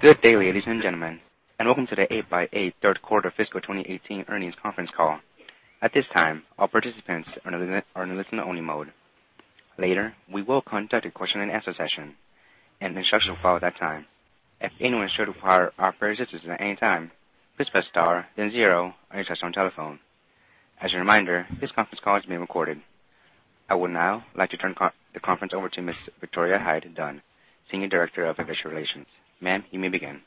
Good day, ladies and gentlemen, welcome to the 8x8 third quarter fiscal 2018 earnings conference call. At this time, all participants are in listen only mode. Later, we will conduct a question and answer session, and instructions will follow at that time. If anyone is sure to require operator assistance at any time, please press star then zero on your touchtone telephone. As a reminder, this conference call is being recorded. I would now like to turn the conference over to Miss Victoria Hyde-Dunn, Senior Director of Investor Relations. Ma'am, you may begin.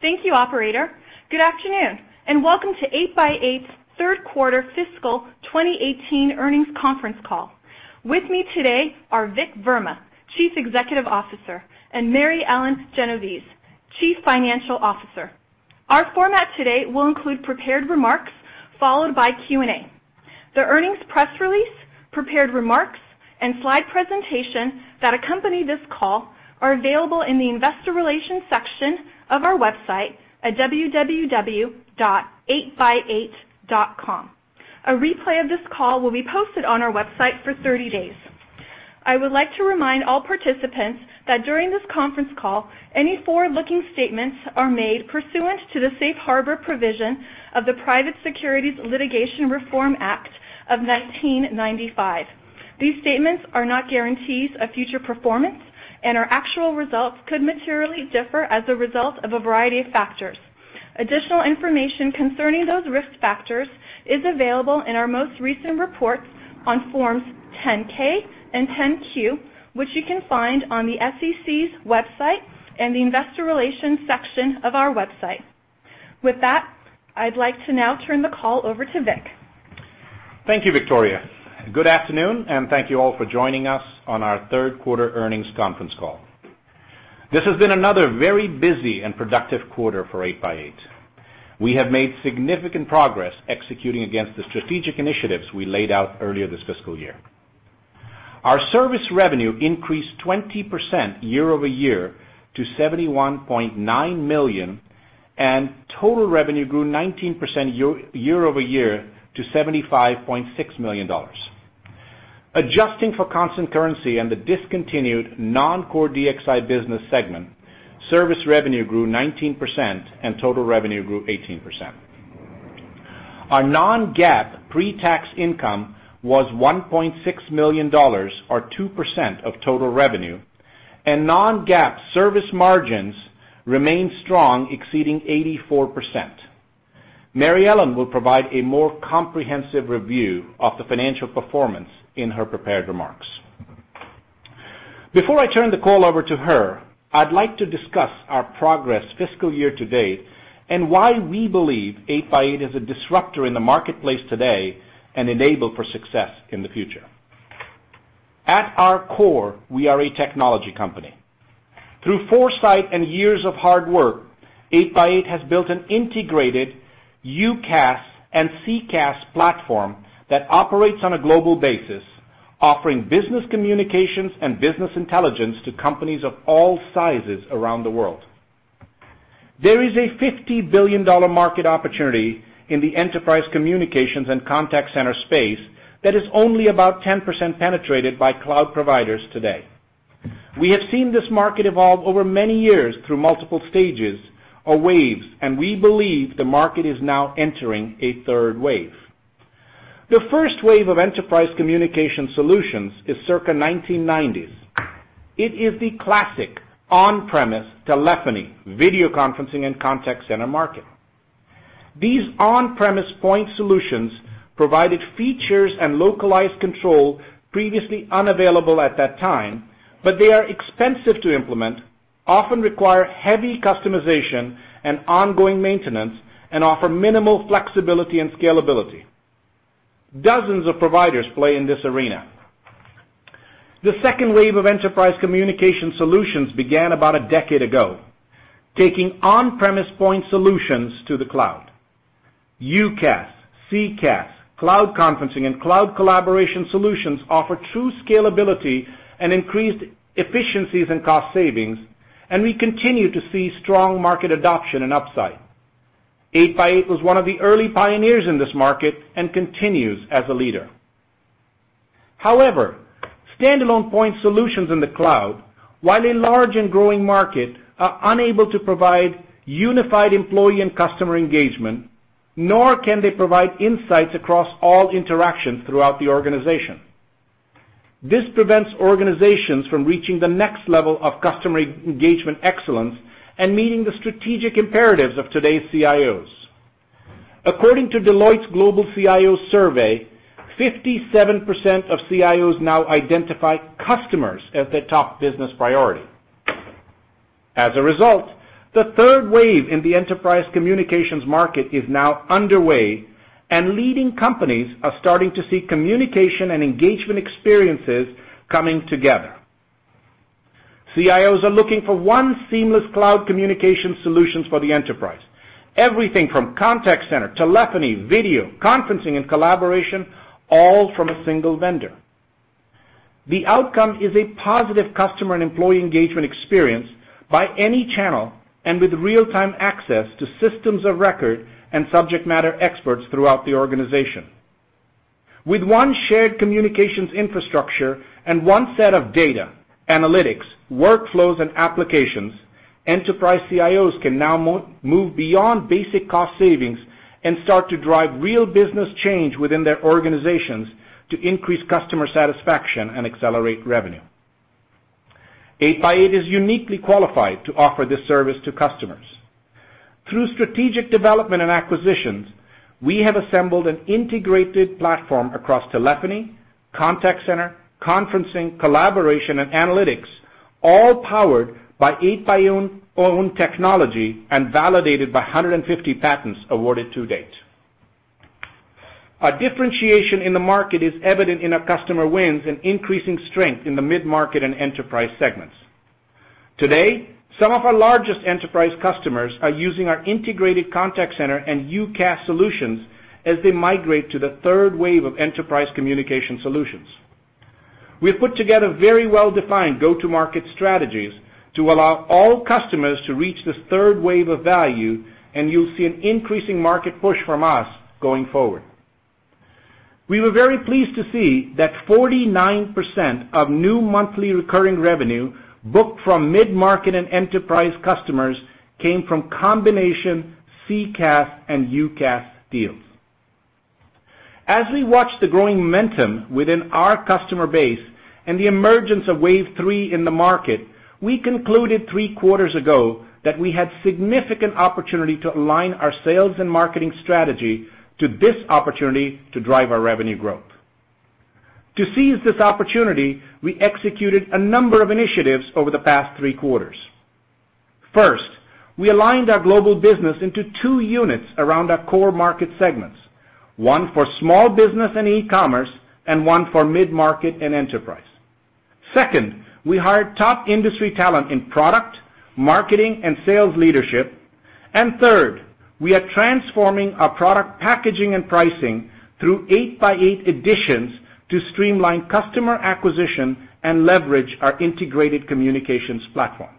Thank you, operator. Good afternoon, welcome to 8x8's third quarter fiscal 2018 earnings conference call. With me today are Vik Verma, Chief Executive Officer, and Mary Ellen Genovese, Chief Financial Officer. Our format today will include prepared remarks followed by Q&A. The earnings press release, prepared remarks, and slide presentation that accompany this call are available in the investor relations section of our website at www.8x8.com. A replay of this call will be posted on our website for 30 days. I would like to remind all participants that during this conference call, any forward-looking statements are made pursuant to the safe harbor provision of the Private Securities Litigation Reform Act of 1995. These statements are not guarantees of future performance and our actual results could materially differ as a result of a variety of factors. Additional information concerning those risk factors is available in our most recent reports on forms 10-K and 10-Q, which you can find on the SEC's website and the investor relations section of our website. With that, I'd like to now turn the call over to Vik. Thank you, Victoria. Good afternoon, thank you all for joining us on our third quarter earnings conference call. This has been another very busy and productive quarter for 8x8. We have made significant progress executing against the strategic initiatives we laid out earlier this fiscal year. Our service revenue increased 20% year-over-year to $71.9 million, total revenue grew 19% year-over-year to $75.6 million. Adjusting for constant currency and the discontinued non-core DXI business segment, service revenue grew 19% and total revenue grew 18%. Our non-GAAP pre-tax income was $1.6 million, or 2% of total revenue, and non-GAAP service margins remained strong, exceeding 84%. Mary Ellen will provide a more comprehensive review of the financial performance in her prepared remarks. Before I turn the call over to her, I'd like to discuss our progress fiscal year to date and why we believe 8x8 is a disruptor in the marketplace today and enabled for success in the future. At our core, we are a technology company. Through foresight and years of hard work, 8x8 has built an integrated UCaaS and CCaaS platform that operates on a global basis, offering business communications and business intelligence to companies of all sizes around the world. There is a $50 billion market opportunity in the enterprise communications and contact center space that is only about 10% penetrated by cloud providers today. We have seen this market evolve over many years through multiple stages or waves. We believe the market is now entering a third wave. The first wave of enterprise communication solutions is circa 1990s. It is the classic on-premise telephony, video conferencing, and contact center market. These on-premise point solutions provided features and localized control previously unavailable at that time, but they are expensive to implement, often require heavy customization and ongoing maintenance, and offer minimal flexibility and scalability. Dozens of providers play in this arena. The second wave of enterprise communication solutions began about a decade ago, taking on-premise point solutions to the cloud. UCaaS, CCaaS, cloud conferencing, and cloud collaboration solutions offer true scalability and increased efficiencies and cost savings. We continue to see strong market adoption and upside. 8x8 was one of the early pioneers in this market and continues as a leader. Standalone point solutions in the cloud, while a large and growing market, are unable to provide unified employee and customer engagement, nor can they provide insights across all interactions throughout the organization. This prevents organizations from reaching the next level of customer engagement excellence and meeting the strategic imperatives of today's CIOs. According to Deloitte's Global CIO Survey, 57% of CIOs now identify customers as their top business priority. As a result, the third wave in the enterprise communications market is now underway. Leading companies are starting to see communication and engagement experiences coming together. CIOs are looking for one seamless cloud communication solutions for the enterprise. Everything from contact center, telephony, video, conferencing, and collaboration, all from a single vendor. The outcome is a positive customer and employee engagement experience by any channel and with real-time access to systems of record and subject matter experts throughout the organization. With one shared communications infrastructure and one set of data, analytics, workflows, and applications, enterprise CIOs can now move beyond basic cost savings and start to drive real business change within their organizations to increase customer satisfaction and accelerate revenue. 8x8 is uniquely qualified to offer this service to customers. Through strategic development and acquisitions, we have assembled an integrated platform across telephony, contact center, conferencing, collaboration, and analytics, all powered by 8x8 own technology and validated by 150 patents awarded to date. Our differentiation in the market is evident in our customer wins and increasing strength in the mid-market and enterprise segments. Today, some of our largest enterprise customers are using our integrated contact center and UCaaS solutions as they migrate to the third wave of enterprise communication solutions. We've put together very well-defined go-to-market strategies to allow all customers to reach this third wave of value, and you'll see an increasing market push from us going forward. We were very pleased to see that 49% of new monthly recurring revenue booked from mid-market and enterprise customers came from combination CCaaS and UCaaS deals. As we watch the growing momentum within our customer base and the emergence of wave three in the market, we concluded three quarters ago that we had significant opportunity to align our sales and marketing strategy to this opportunity to drive our revenue growth. To seize this opportunity, we executed a number of initiatives over the past three quarters. First, we aligned our global business into two units around our core market segments, one for small business and e-commerce and one for mid-market and enterprise. Second, we hired top industry talent in product, marketing, and sales leadership. Third, we are transforming our product packaging and pricing through 8x8 Editions to streamline customer acquisition and leverage our integrated communications platform.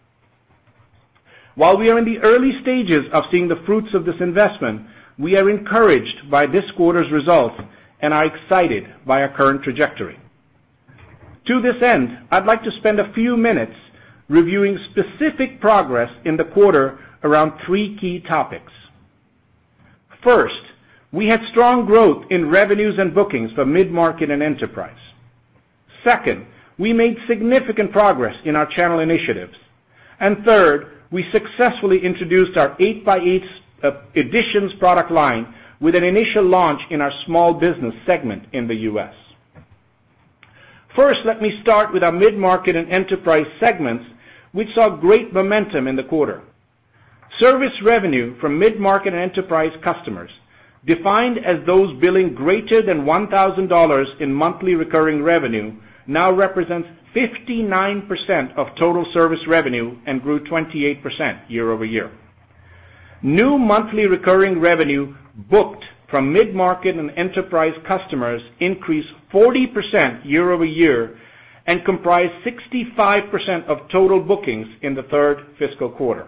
While we are in the early stages of seeing the fruits of this investment, we are encouraged by this quarter's results and are excited by our current trajectory. To this end, I'd like to spend a few minutes reviewing specific progress in the quarter around three key topics. First, we had strong growth in revenues and bookings for mid-market and enterprise. Second, we made significant progress in our channel initiatives. Third, we successfully introduced our 8x8 Editions product line with an initial launch in our small business segment in the U.S. First, let me start with our mid-market and enterprise segments, which saw great momentum in the quarter. Service revenue from mid-market enterprise customers, defined as those billing greater than $1,000 in monthly recurring revenue, now represents 59% of total service revenue and grew 28% year-over-year. New monthly recurring revenue booked from mid-market and enterprise customers increased 40% year-over-year and comprised 65% of total bookings in the third fiscal quarter.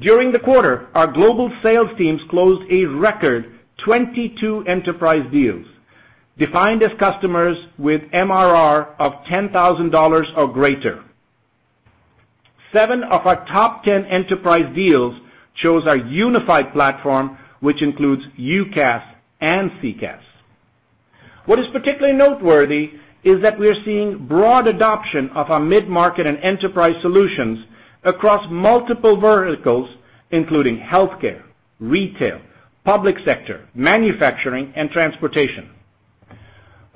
During the quarter, our global sales teams closed a record 22 enterprise deals, defined as customers with MRR of $10,000 or greater. Seven of our top 10 enterprise deals chose our unified platform, which includes UCaaS and CCaaS. What is particularly noteworthy is that we are seeing broad adoption of our mid-market and enterprise solutions across multiple verticals, including healthcare, retail, public sector, manufacturing, and transportation.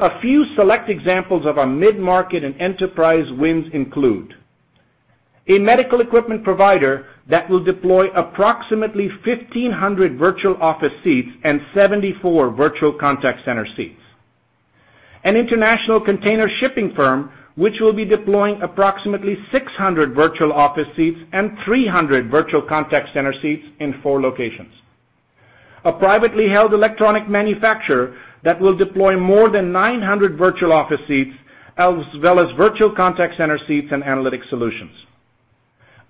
A few select examples of our mid-market and enterprise wins include a medical equipment provider that will deploy approximately 1,500 Virtual Office seats and 74 Virtual Contact Center seats. An international container shipping firm, which will be deploying approximately 600 Virtual Office seats and 300 Virtual Contact Center seats in four locations. A privately held electronic manufacturer that will deploy more than 900 Virtual Office seats, as well as Virtual Contact Center seats and analytic solutions.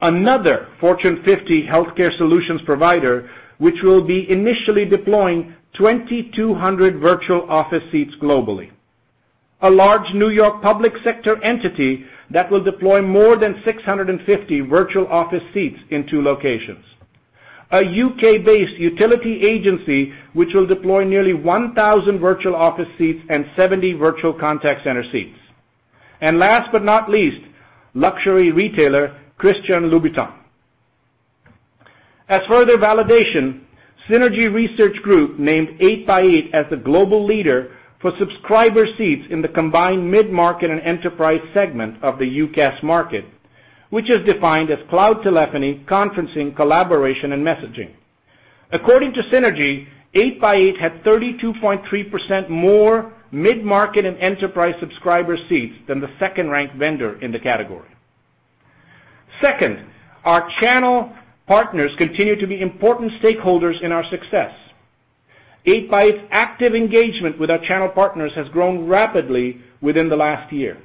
Another Fortune 50 healthcare solutions provider, which will be initially deploying 2,200 Virtual Office seats globally. A large New York public sector entity that will deploy more than 650 Virtual Office seats in two locations. A U.K.-based utility agency, which will deploy nearly 1,000 Virtual Office seats and 70 Virtual Contact Center seats. Last but not least, luxury retailer Christian Louboutin. As further validation, Synergy Research Group named 8x8 as the global leader for subscriber seats in the combined mid-market and enterprise segment of the UCaaS market, which is defined as cloud telephony, conferencing, collaboration, and messaging. According to Synergy, 8x8 had 32.3% more mid-market and enterprise subscriber seats than the second-ranked vendor in the category. Second, our channel partners continue to be important stakeholders in our success. 8x8's active engagement with our channel partners has grown rapidly within the last year.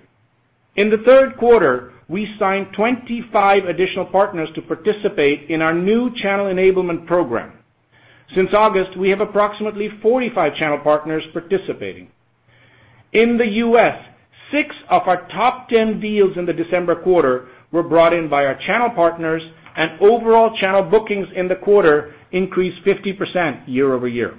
In the third quarter, we signed 25 additional partners to participate in our new channel enablement program. Since August, we have approximately 45 channel partners participating. In the U.S., six of our top 10 deals in the December quarter were brought in by our channel partners, and overall channel bookings in the quarter increased 50% year-over-year.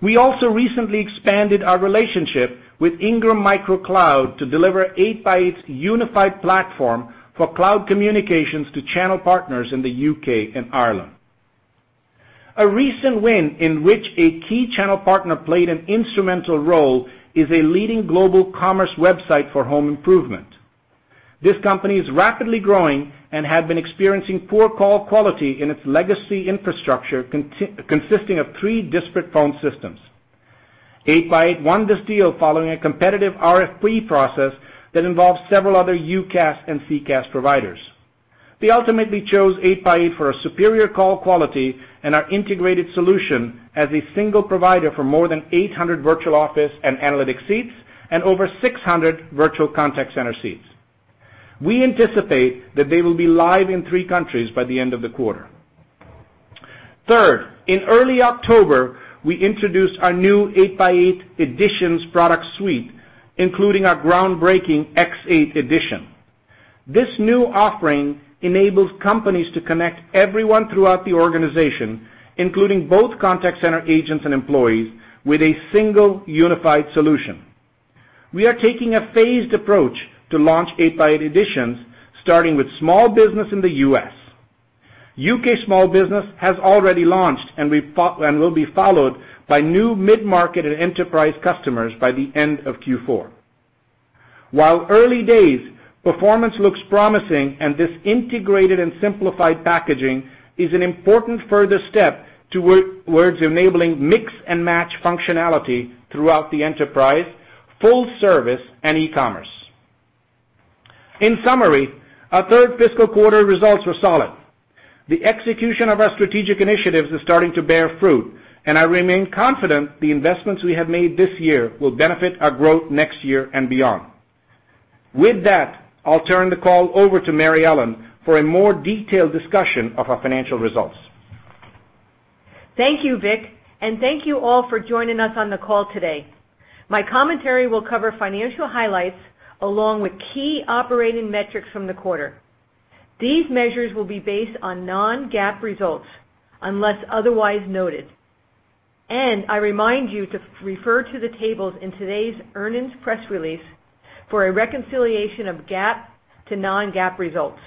We also recently expanded our relationship with Ingram Micro Cloud to deliver 8x8's unified platform for cloud communications to channel partners in the U.K. and Ireland. A recent win in which a key channel partner played an instrumental role is a leading global commerce website for home improvement. This company is rapidly growing and had been experiencing poor call quality in its legacy infrastructure consisting of three disparate phone systems. 8x8 won this deal following a competitive RFP process that involved several other UCaaS and CCaaS providers. They ultimately chose 8x8 for our superior call quality and our integrated solution as a single provider for more than 800 Virtual Office and analytic seats and over 600 Virtual Contact Center seats. We anticipate that they will be live in three countries by the end of the quarter. Third, in early October, we introduced our new 8x8 Editions product suite, including our groundbreaking X8 Edition. This new offering enables companies to connect everyone throughout the organization, including both contact center agents and employees, with a single unified solution. We are taking a phased approach to launch 8x8 Editions, starting with small business in the U.S. U.K. small business has already launched and will be followed by new mid-market and enterprise customers by the end of Q4. While early days, performance looks promising, and this integrated and simplified packaging is an important further step towards enabling mix-and-match functionality throughout the enterprise, full service, and e-commerce. In summary, our third fiscal quarter results were solid. The execution of our strategic initiatives is starting to bear fruit, and I remain confident the investments we have made this year will benefit our growth next year and beyond. With that, I'll turn the call over to Mary Ellen for a more detailed discussion of our financial results. Thank you, Vik, and thank you all for joining us on the call today. My commentary will cover financial highlights along with key operating metrics from the quarter. These measures will be based on non-GAAP results unless otherwise noted, and I remind you to refer to the tables in today's earnings press release for a reconciliation of GAAP to non-GAAP results.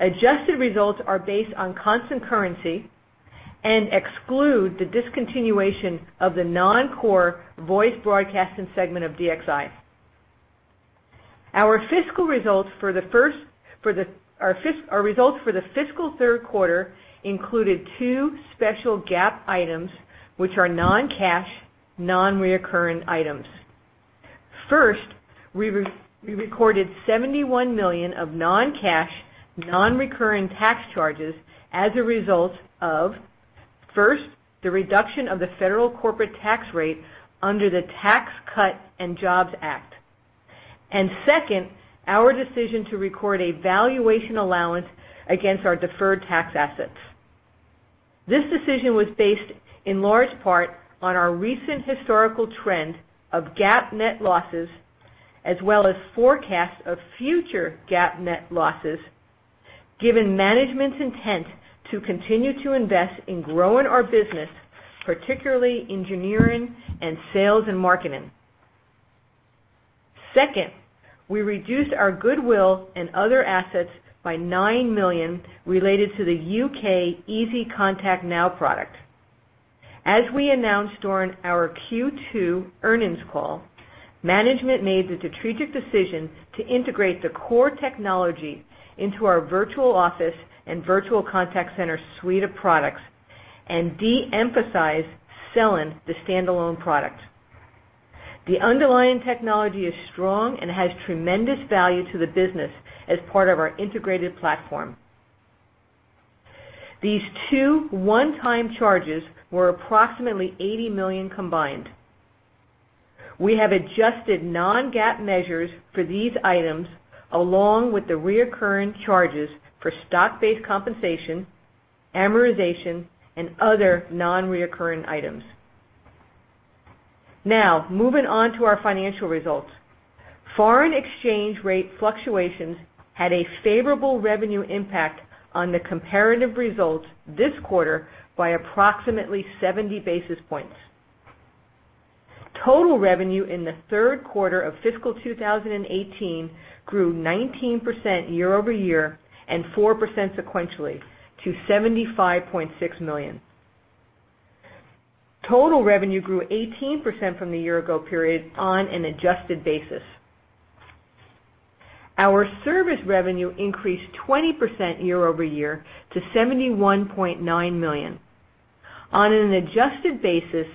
Adjusted results are based on constant currency and exclude the discontinuation of the non-core voice broadcasting segment of DXI. Our results for the fiscal third quarter included two special GAAP items, which are non-cash, non-recurring items. First, we recorded $71 million of non-cash, non-recurring tax charges as a result of, first, the reduction of the federal corporate tax rate under the Tax Cuts and Jobs Act, and second, our decision to record a valuation allowance against our deferred tax assets. This decision was based in large part on our recent historical trend of GAAP net losses, as well as forecasts of future GAAP net losses, given management's intent to continue to invest in growing our business, particularly engineering and sales and marketing. Second, we reduced our goodwill and other assets by $9 million related to the U.K. EasyContactNow product. As we announced on our Q2 earnings call, management made the strategic decision to integrate the core technology into our Virtual Office and Virtual Contact Center suite of products and de-emphasize selling the standalone product. The underlying technology is strong and has tremendous value to the business as part of our integrated platform. These two one-time charges were approximately $80 million combined. We have adjusted non-GAAP measures for these items, along with the recurring charges for stock-based compensation, amortization, and other non-recurring items. Moving on to our financial results. Foreign exchange rate fluctuations had a favorable revenue impact on the comparative results this quarter by approximately 70 basis points. Total revenue in the third quarter of fiscal 2018 grew 19% year-over-year and 4% sequentially to $75.6 million. Total revenue grew 18% from the year-ago period on an adjusted basis. Our service revenue increased 20% year-over-year to $71.9 million. On an adjusted basis,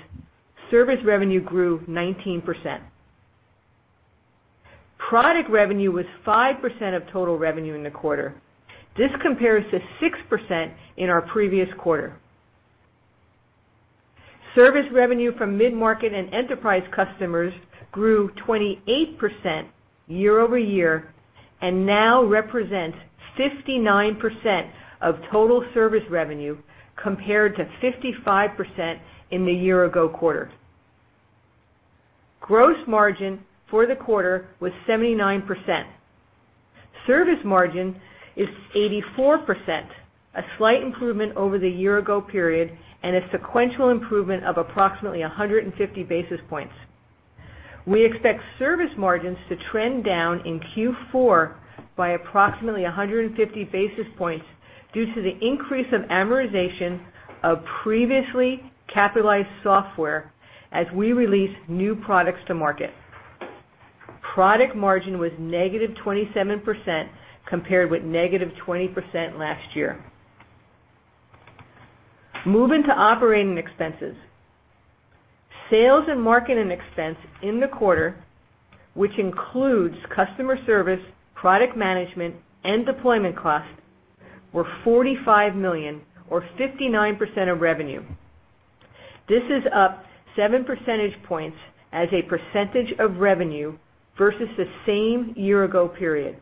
service revenue grew 19%. Product revenue was 5% of total revenue in the quarter. This compares to 6% in our previous quarter. Service revenue from mid-market and enterprise customers grew 28% year-over-year and now represents 59% of total service revenue, compared to 55% in the year-ago quarter. Gross margin for the quarter was 79%. Service margin is 84%, a slight improvement over the year-ago period and a sequential improvement of approximately 150 basis points. We expect service margins to trend down in Q4 by approximately 150 basis points due to the increase of amortization of previously capitalized software as we release new products to market. Product margin was -27%, compared with -20% last year. Moving to operating expenses. Sales and marketing expense in the quarter, which includes customer service, product management, and deployment costs, were $45 million or 59% of revenue. This is up seven percentage points as a percentage of revenue versus the same year-ago period.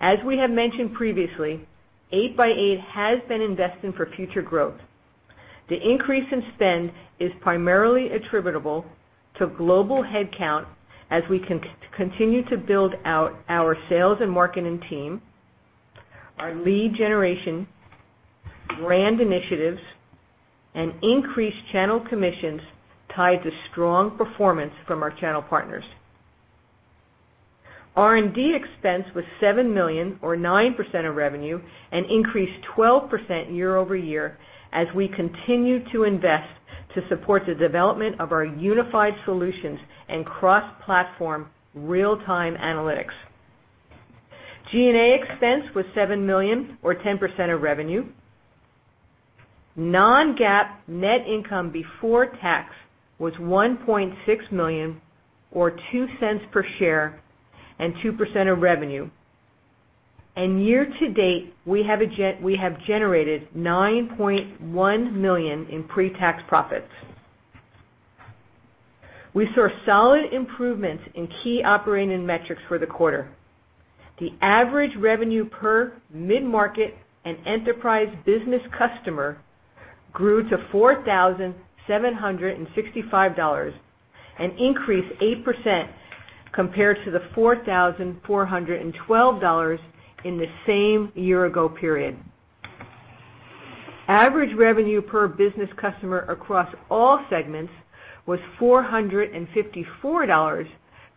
As we have mentioned previously, 8x8 has been investing for future growth. The increase in spend is primarily attributable to global headcount as we continue to build out our sales and marketing team, our lead generation, brand initiatives, and increased channel commissions tied to strong performance from our channel partners. R&D expense was $7 million or 9% of revenue, increased 12% year-over-year as we continue to invest to support the development of our unified solutions and cross-platform real-time analytics. G&A expense was $7 million or 10% of revenue. Non-GAAP net income before tax was $1.6 million or $0.02 per share and 2% of revenue. Year-to-date, we have generated $9.1 million in pre-tax profits. We saw solid improvements in key operating metrics for the quarter. The average revenue per mid-market and enterprise business customer grew to $4,765, an increase 8% compared to the $4,412 in the same year-ago period. Average revenue per business customer across all segments was $454,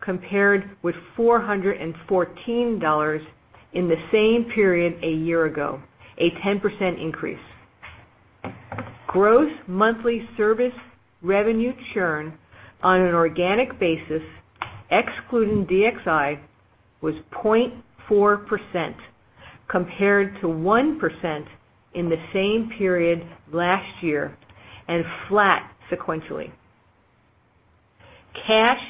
compared with $414 in the same period a year ago, a 10% increase. Gross monthly service revenue churn on an organic basis, excluding DXI, was 0.4%, compared to 1% in the same period last year and flat sequentially. Cash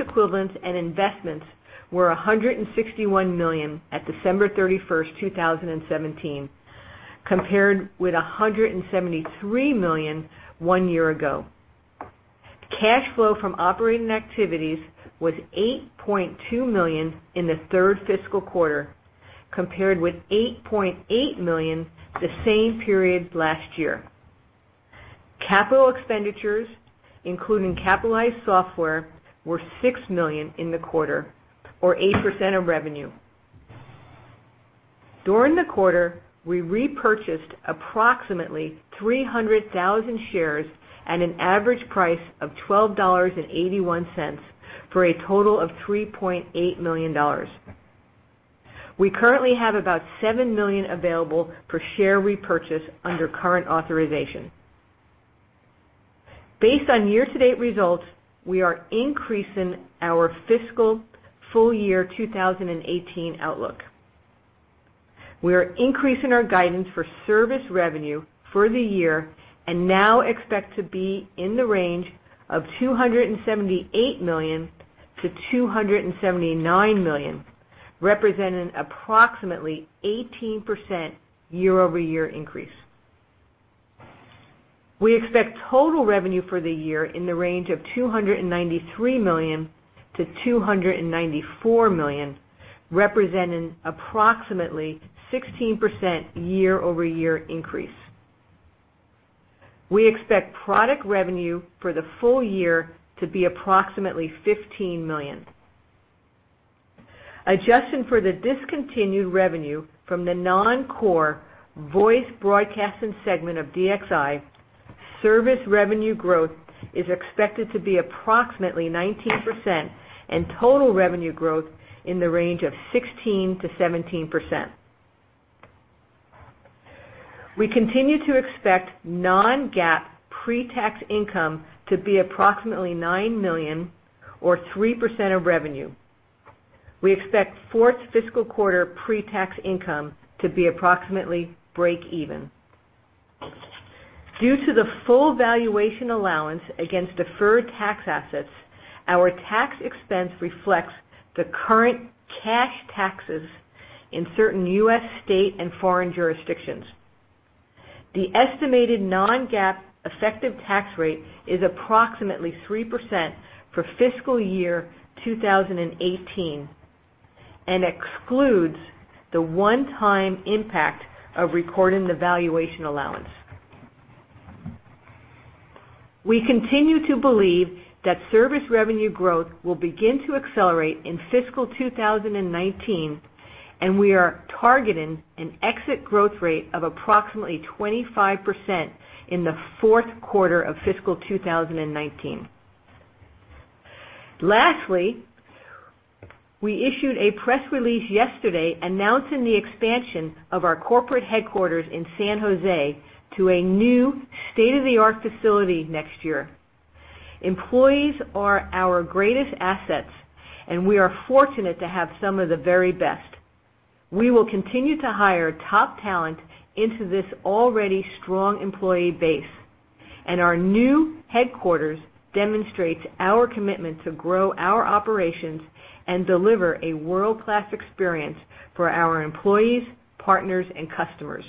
equivalents and investments were $161 million at December 31st, 2017, compared with $173 million one year ago. Cash flow from operating activities was $8.2 million in the third fiscal quarter, compared with $8.8 million the same period last year. Capital expenditures, including capitalized software, were $6 million in the quarter or 8% of revenue. During the quarter, we repurchased approximately 300,000 shares at an average price of $12.81 for a total of $3.8 million. We currently have about $7 million available for share repurchase under current authorization. Based on year-to-date results, we are increasing our fiscal full year 2018 outlook. We are increasing our guidance for service revenue for the year and now expect to be in the range of $278 million-$279 million, representing approximately 18% year-over-year increase. We expect total revenue for the year in the range of $293 million-$294 million, representing approximately 16% year-over-year increase. We expect product revenue for the full year to be approximately $15 million. Adjusted for the discontinued revenue from the non-core voice broadcasting segment of DXI, service revenue growth is expected to be approximately 19%, and total revenue growth in the range of 16%-17%. We continue to expect non-GAAP pre-tax income to be approximately $9 million or 3% of revenue. We expect fourth fiscal quarter pre-tax income to be approximately breakeven. Due to the full valuation allowance against deferred tax assets, our tax expense reflects the current cash taxes in certain U.S. state and foreign jurisdictions. The estimated non-GAAP effective tax rate is approximately 3% for fiscal year 2018, and excludes the one-time impact of recording the valuation allowance. We continue to believe that service revenue growth will begin to accelerate in fiscal 2019, we are targeting an exit growth rate of approximately 25% in the fourth quarter of fiscal 2019. Lastly, we issued a press release yesterday announcing the expansion of our corporate headquarters in San Jose to a new state-of-the-art facility next year. Employees are our greatest assets, we are fortunate to have some of the very best. We will continue to hire top talent into this already strong employee base, our new headquarters demonstrates our commitment to grow our operations and deliver a world-class experience for our employees, partners, and customers.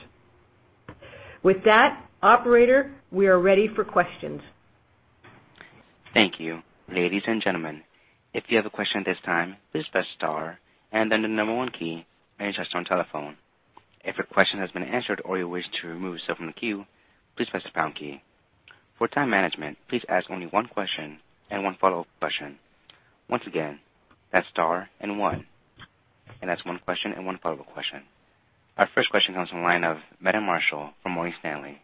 With that, operator, we are ready for questions. Thank you. Ladies and gentlemen, if you have a question at this time, please press star and then the number one key on your touchtone telephone. If your question has been answered or you wish to remove yourself from the queue, please press the pound key. For time management, please ask only one question and one follow-up question. Once again, that's star and one, and that's one question and one follow-up question. Our first question comes from the line of Meta Marshall from Morgan Stanley.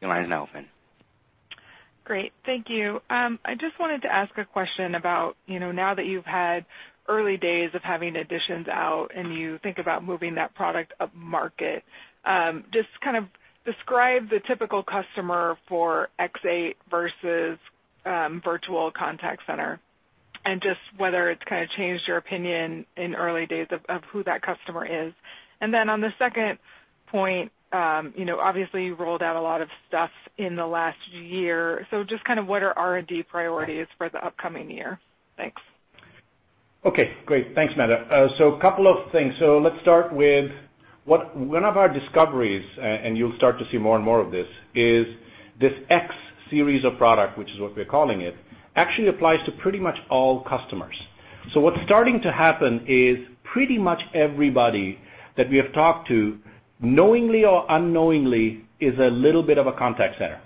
Your line is now open. Great. Thank you. I just wanted to ask a question about now that you've had early days of having Editions out and you think about moving that product upmarket, just describe the typical customer for X8 versus Virtual Contact Center and just whether it's changed your opinion in early days of who that customer is. On the second point, obviously you rolled out a lot of stuff in the last year, so just what are R&D priorities for the upcoming year? Thanks. Okay, great. Thanks, Meta. A couple of things. Let's start with one of our discoveries, and you'll start to see more and more of this, is this X Series of product, which is what we're calling it, actually applies to pretty much all customers. What's starting to happen is pretty much everybody that we have talked to, knowingly or unknowingly, is a little bit of a contact center.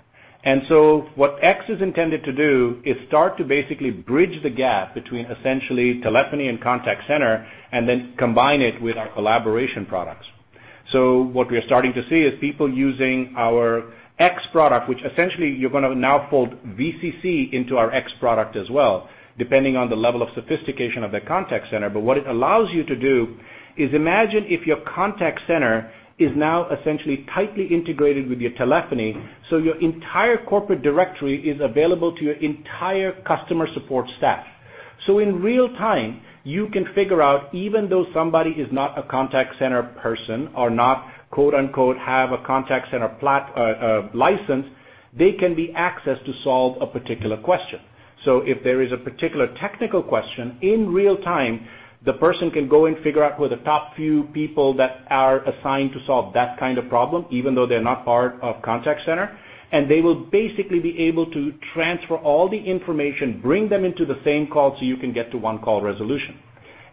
What X is intended to do is start to basically bridge the gap between essentially telephony and contact center, and then combine it with our collaboration products. What we are starting to see is people using our X product, which essentially you're going to now fold VCC into our X product as well, depending on the level of sophistication of the contact center. What it allows you to do is imagine if your contact center is now essentially tightly integrated with your telephony, so your entire corporate directory is available to your entire customer support staff. In real time, you can figure out, even though somebody is not a contact center person or not "have a contact center license," they can be accessed to solve a particular question. If there is a particular technical question, in real time, the person can go and figure out who the top few people that are assigned to solve that kind of problem, even though they're not part of contact center, and they will basically be able to transfer all the information, bring them into the same call so you can get to one call resolution.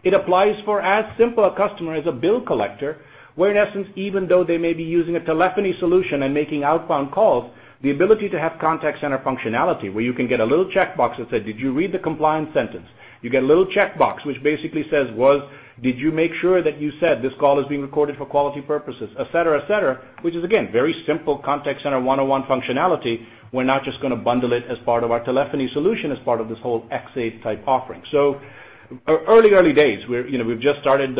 It applies for as simple a customer as a bill collector, where, in essence, even though they may be using a telephony solution and making outbound calls, the ability to have contact center functionality where you can get a little checkbox that says, "Did you read the compliance sentence?" You get a little checkbox which basically says, "Did you make sure that you said this call is being recorded for quality purposes?" Et cetera. Which is, again, very simple contact center 101 functionality. We're not just going to bundle it as part of our telephony solution as part of this whole X8 type offering. Early days. We've just started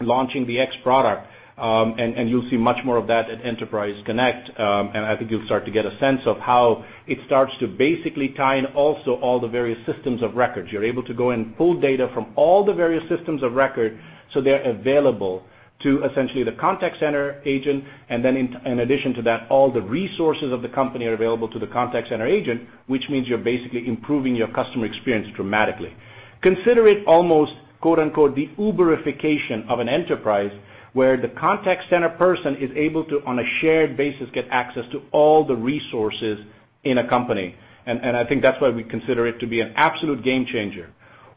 launching the X product, and you'll see much more of that at Enterprise Connect. I think you'll start to get a sense of how it starts to basically tie in also all the various systems of records. You're able to go and pull data from all the various systems of record so they're available to essentially the contact center agent, and then in addition to that, all the resources of the company are available to the contact center agent, which means you're basically improving your customer experience dramatically. Consider it almost "the Uberification of an enterprise" where the contact center person is able to, on a shared basis, get access to all the resources in a company. I think that's why we consider it to be an absolute game changer.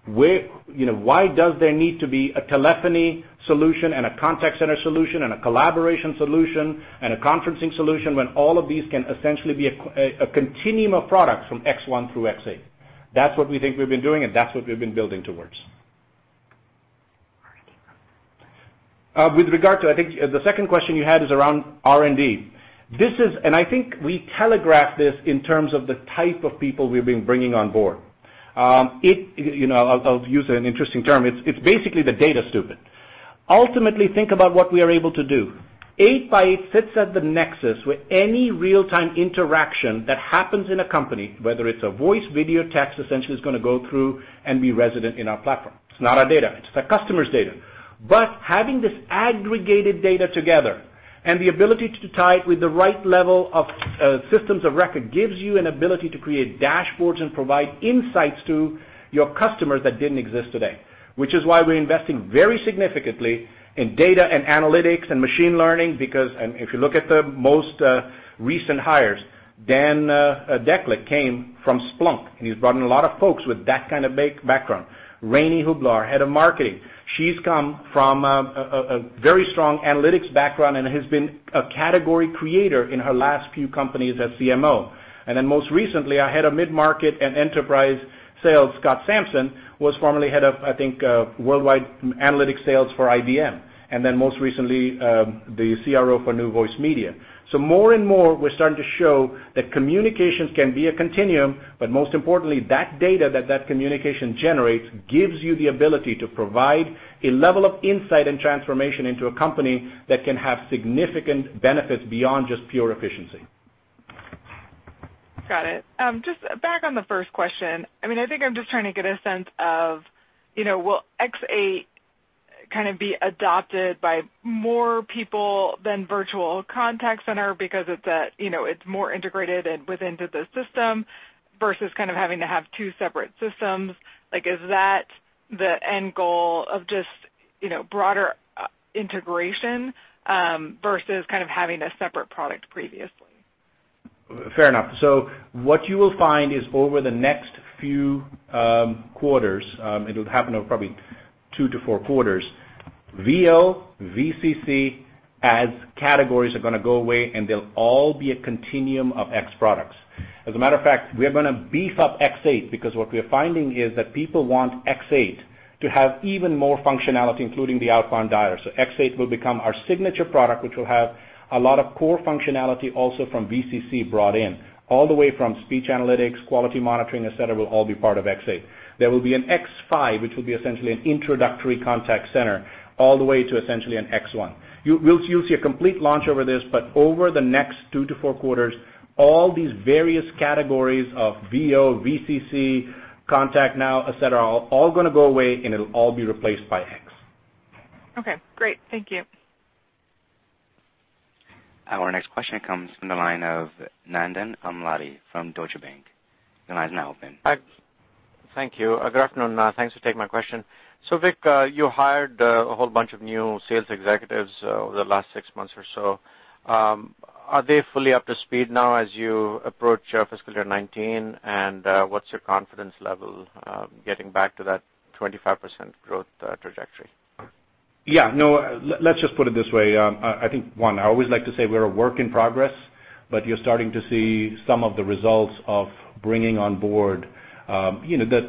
Why does there need to be a telephony solution and a contact center solution and a collaboration solution and a conferencing solution when all of these can essentially be a continuum of products from X1 through X8? That's what we think we've been doing, and that's what we've been building towards. All right. With regard to, I think the second question you had is around R&D. I think we telegraphed this in terms of the type of people we've been bringing on board. I'll use an interesting term. It's basically the data stupid. Ultimately, think about what we are able to do. 8x8 sits at the nexus where any real-time interaction that happens in a company, whether it's a voice, video, text, essentially is going to go through and be resident in our platform. It's not our data, it's the customer's data. Having this aggregated data together. The ability to tie it with the right level of systems of record gives you an ability to create dashboards and provide insights to your customers that didn't exist today. Which is why we're investing very significantly in data and analytics and machine learning because. If you look at the most recent hires, Dejan Deklich came from Splunk, and he's brought in a lot of folks with that kind of background. Rani Hublou, head of marketing. She's come from a very strong analytics background and has been a category creator in her last few companies as CMO. Most recently, our head of mid-market and enterprise sales, Scott Sampson, was formerly head of, I think, worldwide analytics sales for IBM, and then most recently, the CRO for NewVoiceMedia. More and more, we're starting to show that communications can be a continuum, but most importantly, that data that that communication generates gives you the ability to provide a level of insight and transformation into a company that can have significant benefits beyond just pure efficiency. Got it. Just back on the first question. I think I'm just trying to get a sense of will X8 be adopted by more people than Virtual Contact Center because it's more integrated within the system versus having to have two separate systems? Is that the end goal of just broader integration versus having a separate product previously? Fair enough. What you will find is over the next few quarters, it will happen over probably two to four quarters, VO, VCC as categories are going to go away, and they'll all be a continuum of X products. As a matter of fact, we are going to beef up X8 because what we're finding is that people want X8 to have even more functionality, including the outbound dialer. X8 will become our signature product, which will have a lot of core functionality also from VCC brought in. All the way from speech analytics, quality monitoring, et cetera, will all be part of X8. There will be an X5, which will be essentially an introductory contact center all the way to essentially an X1. You'll see a complete launch over this, but over the next two to four quarters, all these various categories of VO, VCC, ContactNow, et cetera, are all going to go away, and it'll all be replaced by X. Okay, great. Thank you. Our next question comes from the line of Nandan Amladi from Deutsche Bank. The line is now open. Thank you. Good afternoon. Thanks for taking my question. Vik, you hired a whole bunch of new sales executives over the last six months or so. Are they fully up to speed now as you approach fiscal year 2019? What's your confidence level getting back to that 25% growth trajectory? Let's just put it this way. I think, one, I always like to say we're a work in progress, but you're starting to see some of the results of bringing on board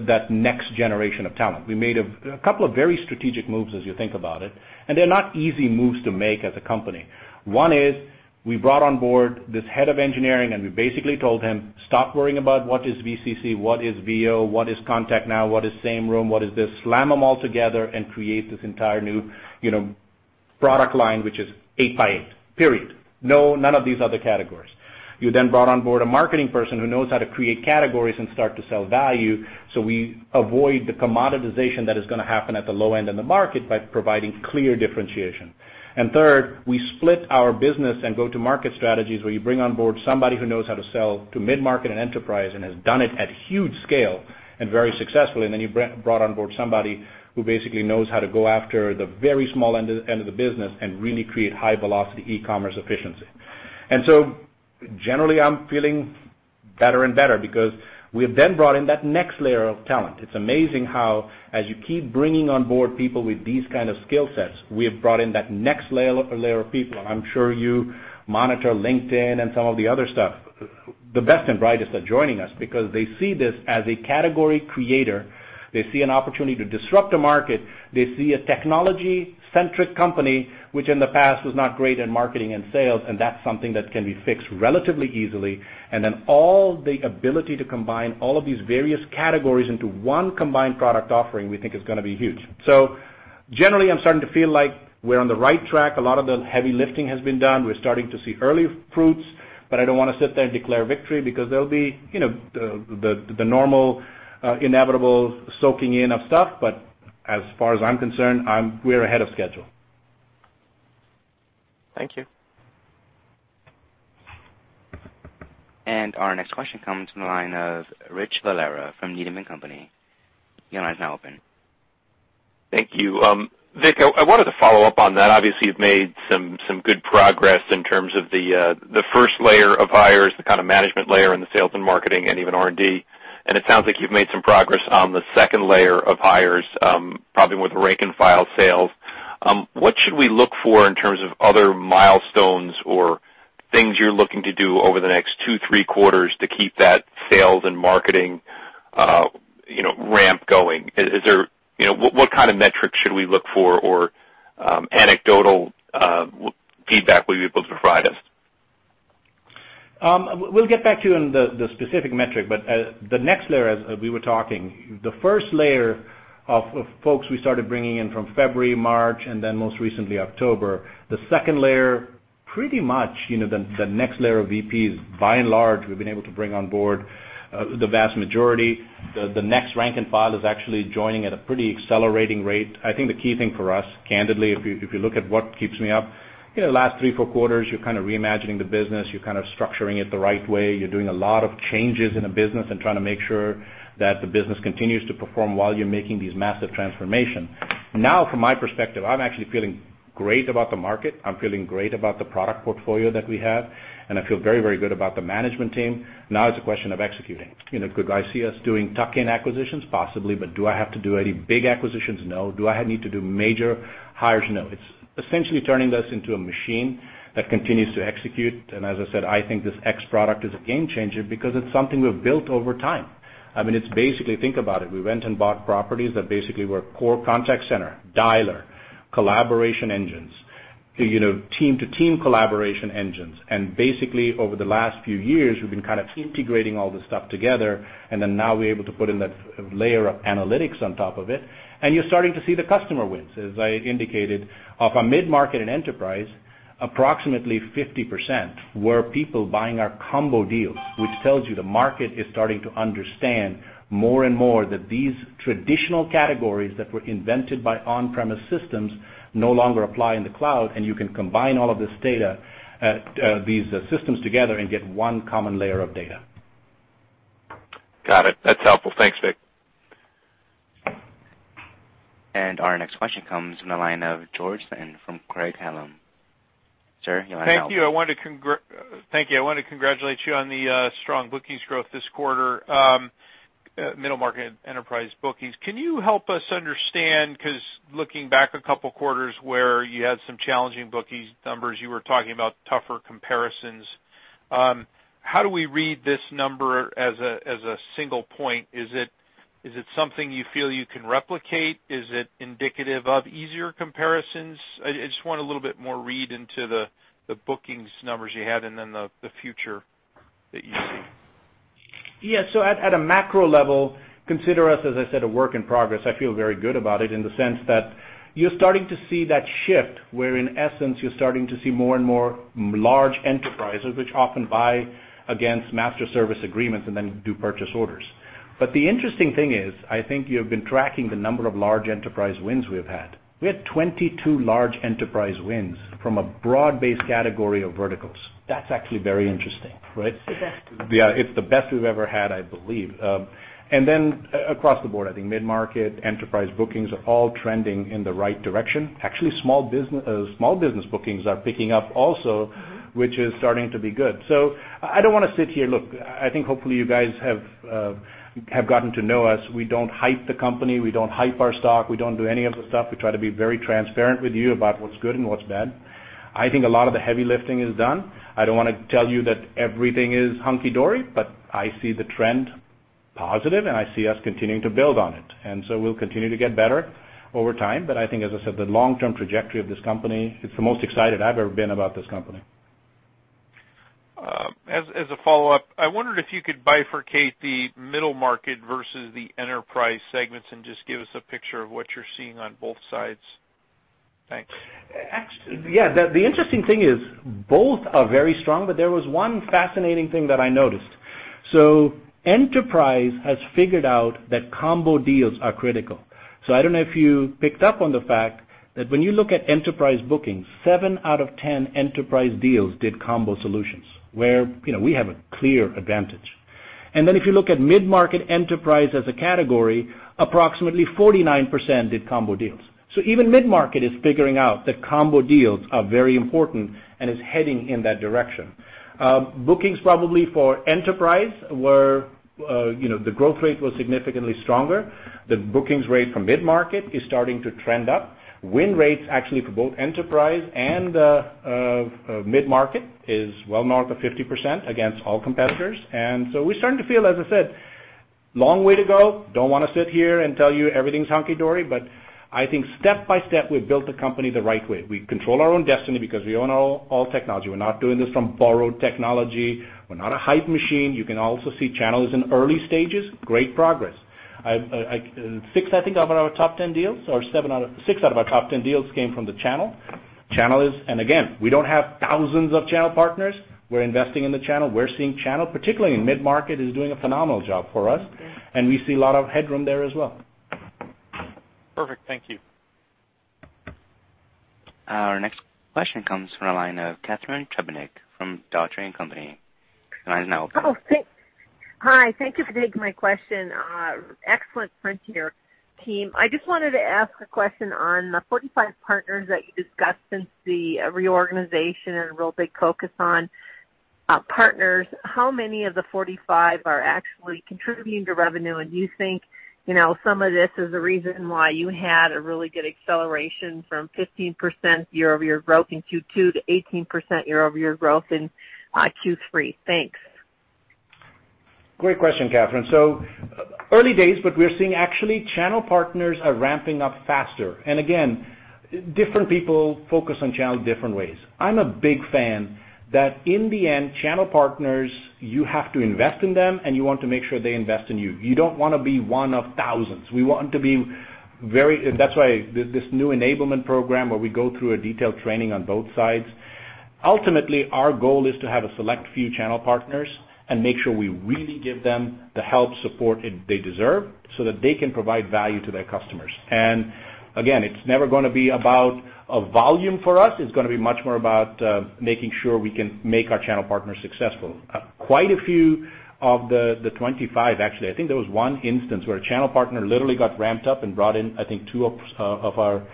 that next generation of talent. We made a couple of very strategic moves as you think about it, and they're not easy moves to make as a company. One is we brought on board this head of engineering, and we basically told him, "Stop worrying about what is VCC, what is VO, what is ContactNow, what is Sameroom, what is this. Slam them all together and create this entire new product line, which is 8x8. Period. None of these other categories." You brought on board a marketing person who knows how to create categories and start to sell value, so we avoid the commoditization that is going to happen at the low end in the market by providing clear differentiation. Third, we split our business and go-to-market strategies where you bring on board somebody who knows how to sell to mid-market and enterprise and has done it at huge scale and very successfully, you brought on board somebody who basically knows how to go after the very small end of the business and really create high-velocity e-commerce efficiency. Generally, I'm feeling better and better because we have then brought in that next layer of talent. It's amazing how as you keep bringing on board people with these kind of skill sets, we have brought in that next layer of people. I'm sure you monitor LinkedIn and some of the other stuff. The best and brightest are joining us because they see this as a category creator. They see an opportunity to disrupt a market. They see a technology-centric company, which in the past was not great in marketing and sales, and that's something that can be fixed relatively easily. All the ability to combine all of these various categories into one combined product offering, we think, is going to be huge. Generally, I'm starting to feel like we're on the right track. A lot of the heavy lifting has been done. We're starting to see early fruits, I don't want to sit there and declare victory because there'll be the normal inevitable soaking in of stuff. As far as I'm concerned, we're ahead of schedule. Thank you. Our next question comes from the line of Rich Valera from Needham & Company. Your line is now open. Thank you. Vik, I wanted to follow up on that. Obviously, you've made some good progress in terms of the first layer of hires, the kind of management layer in the sales and marketing and even R&D. It sounds like you've made some progress on the second layer of hires, probably with rank and file sales. What should we look for in terms of other milestones or things you're looking to do over the next two, three quarters to keep that sales and marketing ramp going? What kind of metrics should we look for or anecdotal feedback will you be able to provide us? We'll get back to you on the specific metric. The next layer, as we were talking, the first layer of folks we started bringing in from February, March, and then most recently October. The second layer Pretty much, the next layer of VPs, by and large, we've been able to bring on board the vast majority. The next rank and file is actually joining at a pretty accelerating rate. I think the key thing for us, candidly, if you look at what keeps me up, last three, four quarters, you're kind of reimagining the business. You're kind of structuring it the right way. You're doing a lot of changes in a business and trying to make sure that the business continues to perform while you're making these massive transformation. From my perspective, I'm actually feeling great about the market. I'm feeling great about the product portfolio that we have. I feel very, very good about the management team. It's a question of executing. Could I see us doing tuck-in acquisitions? Possibly. Do I have to do any big acquisitions? No. Do I need to do major hires? No. It's essentially turning this into a machine that continues to execute. As I said, I think this X product is a game changer because it's something we've built over time. Think about it. We went and bought properties that basically were core contact center, dialer, collaboration engines, team to team collaboration engines. Basically, over the last few years, we've been kind of integrating all this stuff together, then now we're able to put in that layer of analytics on top of it. You're starting to see the customer wins. As I indicated, of our mid-market and enterprise, approximately 50% were people buying our combo deals, which tells you the market is starting to understand more and more that these traditional categories that were invented by on-premise systems no longer apply in the cloud, you can combine all of these systems together and get one common layer of data. Got it. That's helpful. Thanks, Vik. Our next question comes from the line of George from Craig-Hallum. Sir, you want to- Thank you. I want to congratulate you on the strong bookings growth this quarter, middle market enterprise bookings. Can you help us understand, because looking back a couple of quarters where you had some challenging bookings numbers, you were talking about tougher comparisons. How do we read this number as a single point? Is it something you feel you can replicate? Is it indicative of easier comparisons? I just want a little bit more read into the bookings numbers you had and then the future that you see. Yeah. At a macro level, consider us, as I said, a work in progress. I feel very good about it in the sense that you're starting to see that shift, where in essence, you're starting to see more and more large enterprises, which often buy against master service agreements and then do purchase orders. The interesting thing is, I think you've been tracking the number of large enterprise wins we've had. We had 22 large enterprise wins from a broad-based category of verticals. That's actually very interesting, right? The best. Yeah, it's the best we've ever had, I believe. Across the board, I think mid-market enterprise bookings are all trending in the right direction. Actually, small business bookings are picking up also, which is starting to be good. I don't want to sit here. Look, I think hopefully you guys have gotten to know us. We don't hype the company. We don't hype our stock. We don't do any of the stuff. We try to be very transparent with you about what's good and what's bad. I think a lot of the heavy lifting is done. I don't want to tell you that everything is hunky-dory, but I see the trend positive, and I see us continuing to build on it. We'll continue to get better over time. I think, as I said, the long-term trajectory of this company, it's the most excited I've ever been about this company. As a follow-up, I wondered if you could bifurcate the middle market versus the enterprise segments and just give us a picture of what you're seeing on both sides. Thanks. The interesting thing is both are very strong, there was one fascinating thing that I noticed. Enterprise has figured out that combo deals are critical. I don't know if you picked up on the fact that when you look at enterprise bookings, seven out of 10 enterprise deals did combo solutions, where we have a clear advantage. If you look at mid-market enterprise as a category, approximately 49% did combo deals. Even mid-market is figuring out that combo deals are very important and is heading in that direction. Bookings probably for enterprise, the growth rate was significantly stronger. The bookings rate for mid-market is starting to trend up. Win rates actually for both enterprise and mid-market is well north of 50% against all competitors. We're starting to feel, as I said, long way to go. Don't want to sit here and tell you everything's hunky-dory, I think step by step, we've built the company the right way. We control our own destiny because we own all technology. We're not doing this from borrowed technology. We're not a hype machine. You can also see channels in early stages, great progress. six, I think, of our top 10 deals, or six out of our top 10 deals came from the channel. Again, we don't have thousands of channel partners. We're investing in the channel. We're seeing channel, particularly in mid-market, is doing a phenomenal job for us. We see a lot of headroom there as well. Perfect. Thank you. Our next question comes from the line of Catherine Trepanick from Dougherty & Company. The line is now open. Oh, thanks. Hi. Thank you for taking my question. Excellent print here, team. I just wanted to ask a question on the 45 partners that you discussed since the reorganization and real big focus on partners. How many of the 45 are actually contributing to revenue? Do you think some of this is the reason why you had a really good acceleration from 15% year-over-year growth in Q2 to 18% year-over-year growth in Q3? Thanks. Great question, Catherine. Early days, but we're seeing actually channel partners are ramping up faster. Again, different people focus on channel different ways. I'm a big fan that in the end, channel partners, you have to invest in them, and you want to make sure they invest in you. You don't want to be one of thousands. That's why this new enablement program where we go through a detailed training on both sides, ultimately, our goal is to have a select few channel partners and make sure we really give them the help, support they deserve so that they can provide value to their customers. Again, it's never going to be about a volume for us. It's going to be much more about making sure we can make our channel partners successful. Quite a few of the 25, actually, I think there was one instance where a channel partner literally got ramped up and brought in, I think, two of our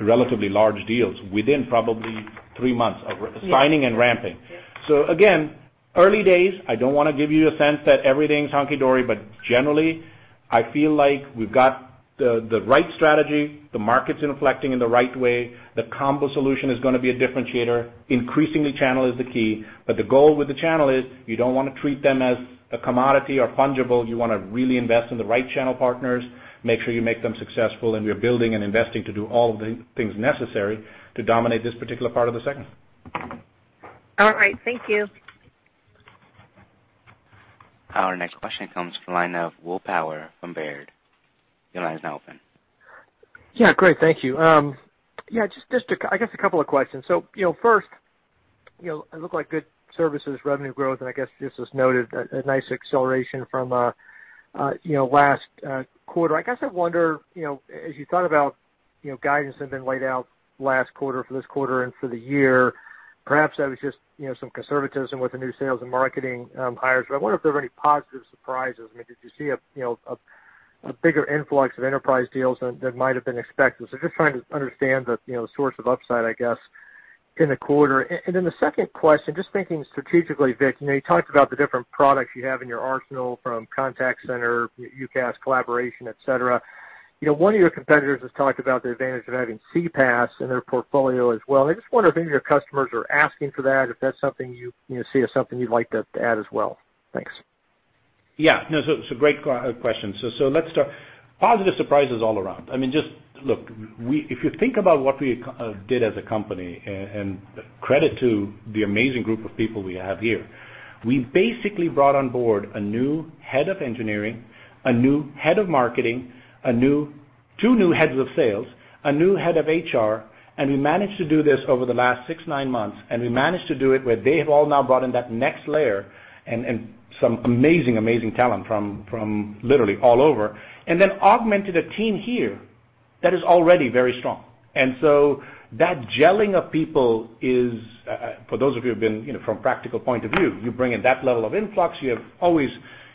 relatively large deals within probably three months of signing and ramping. Yes. Again, early days, I don't want to give you a sense that everything's hunky dory, but generally, I feel like we've got the right strategy. The market's inflecting in the right way. The combo solution is going to be a differentiator. Increasingly, channel is the key, but the goal with the channel is you don't want to treat them as a commodity or fungible. You want to really invest in the right channel partners, make sure you make them successful, and we are building and investing to do all of the things necessary to dominate this particular part of the segment. All right. Thank you. Our next question comes from the line of Will Power from Baird. Your line is now open. Great. Thank you. I guess a couple of questions. First, it looked like good services revenue growth, I guess just as noted, a nice acceleration from last quarter. I guess I wonder, as you thought about guidance that had been laid out last quarter for this quarter and for the year, perhaps that was just some conservatism with the new sales and marketing hires, I wonder if there are any positive surprises. I mean, did you see a bigger influx of enterprise deals than might have been expected? Just trying to understand the source of upside, I guess, in the quarter. The second question, just thinking strategically, Vik, you talked about the different products you have in your arsenal from contact center, UCaaS collaboration, et cetera. One of your competitors has talked about the advantage of having CPaaS in their portfolio as well, I just wonder if any of your customers are asking for that, if that's something you see as something you'd like to add as well. Thanks. Yeah. No, it's a great question. Let's start. Positive surprises all around. I mean, just look, if you think about what we did as a company, and credit to the amazing group of people we have here, we basically brought on board a new head of engineering, a new head of marketing, two new heads of sales, a new head of HR, and we managed to do this over the last six, nine months, and we managed to do it where they have all now brought in that next layer and some amazing talent from literally all over, and then augmented a team here that is already very strong. That gelling of people is, for those of you who've been from practical point of view, you bring in that level of influx, you have always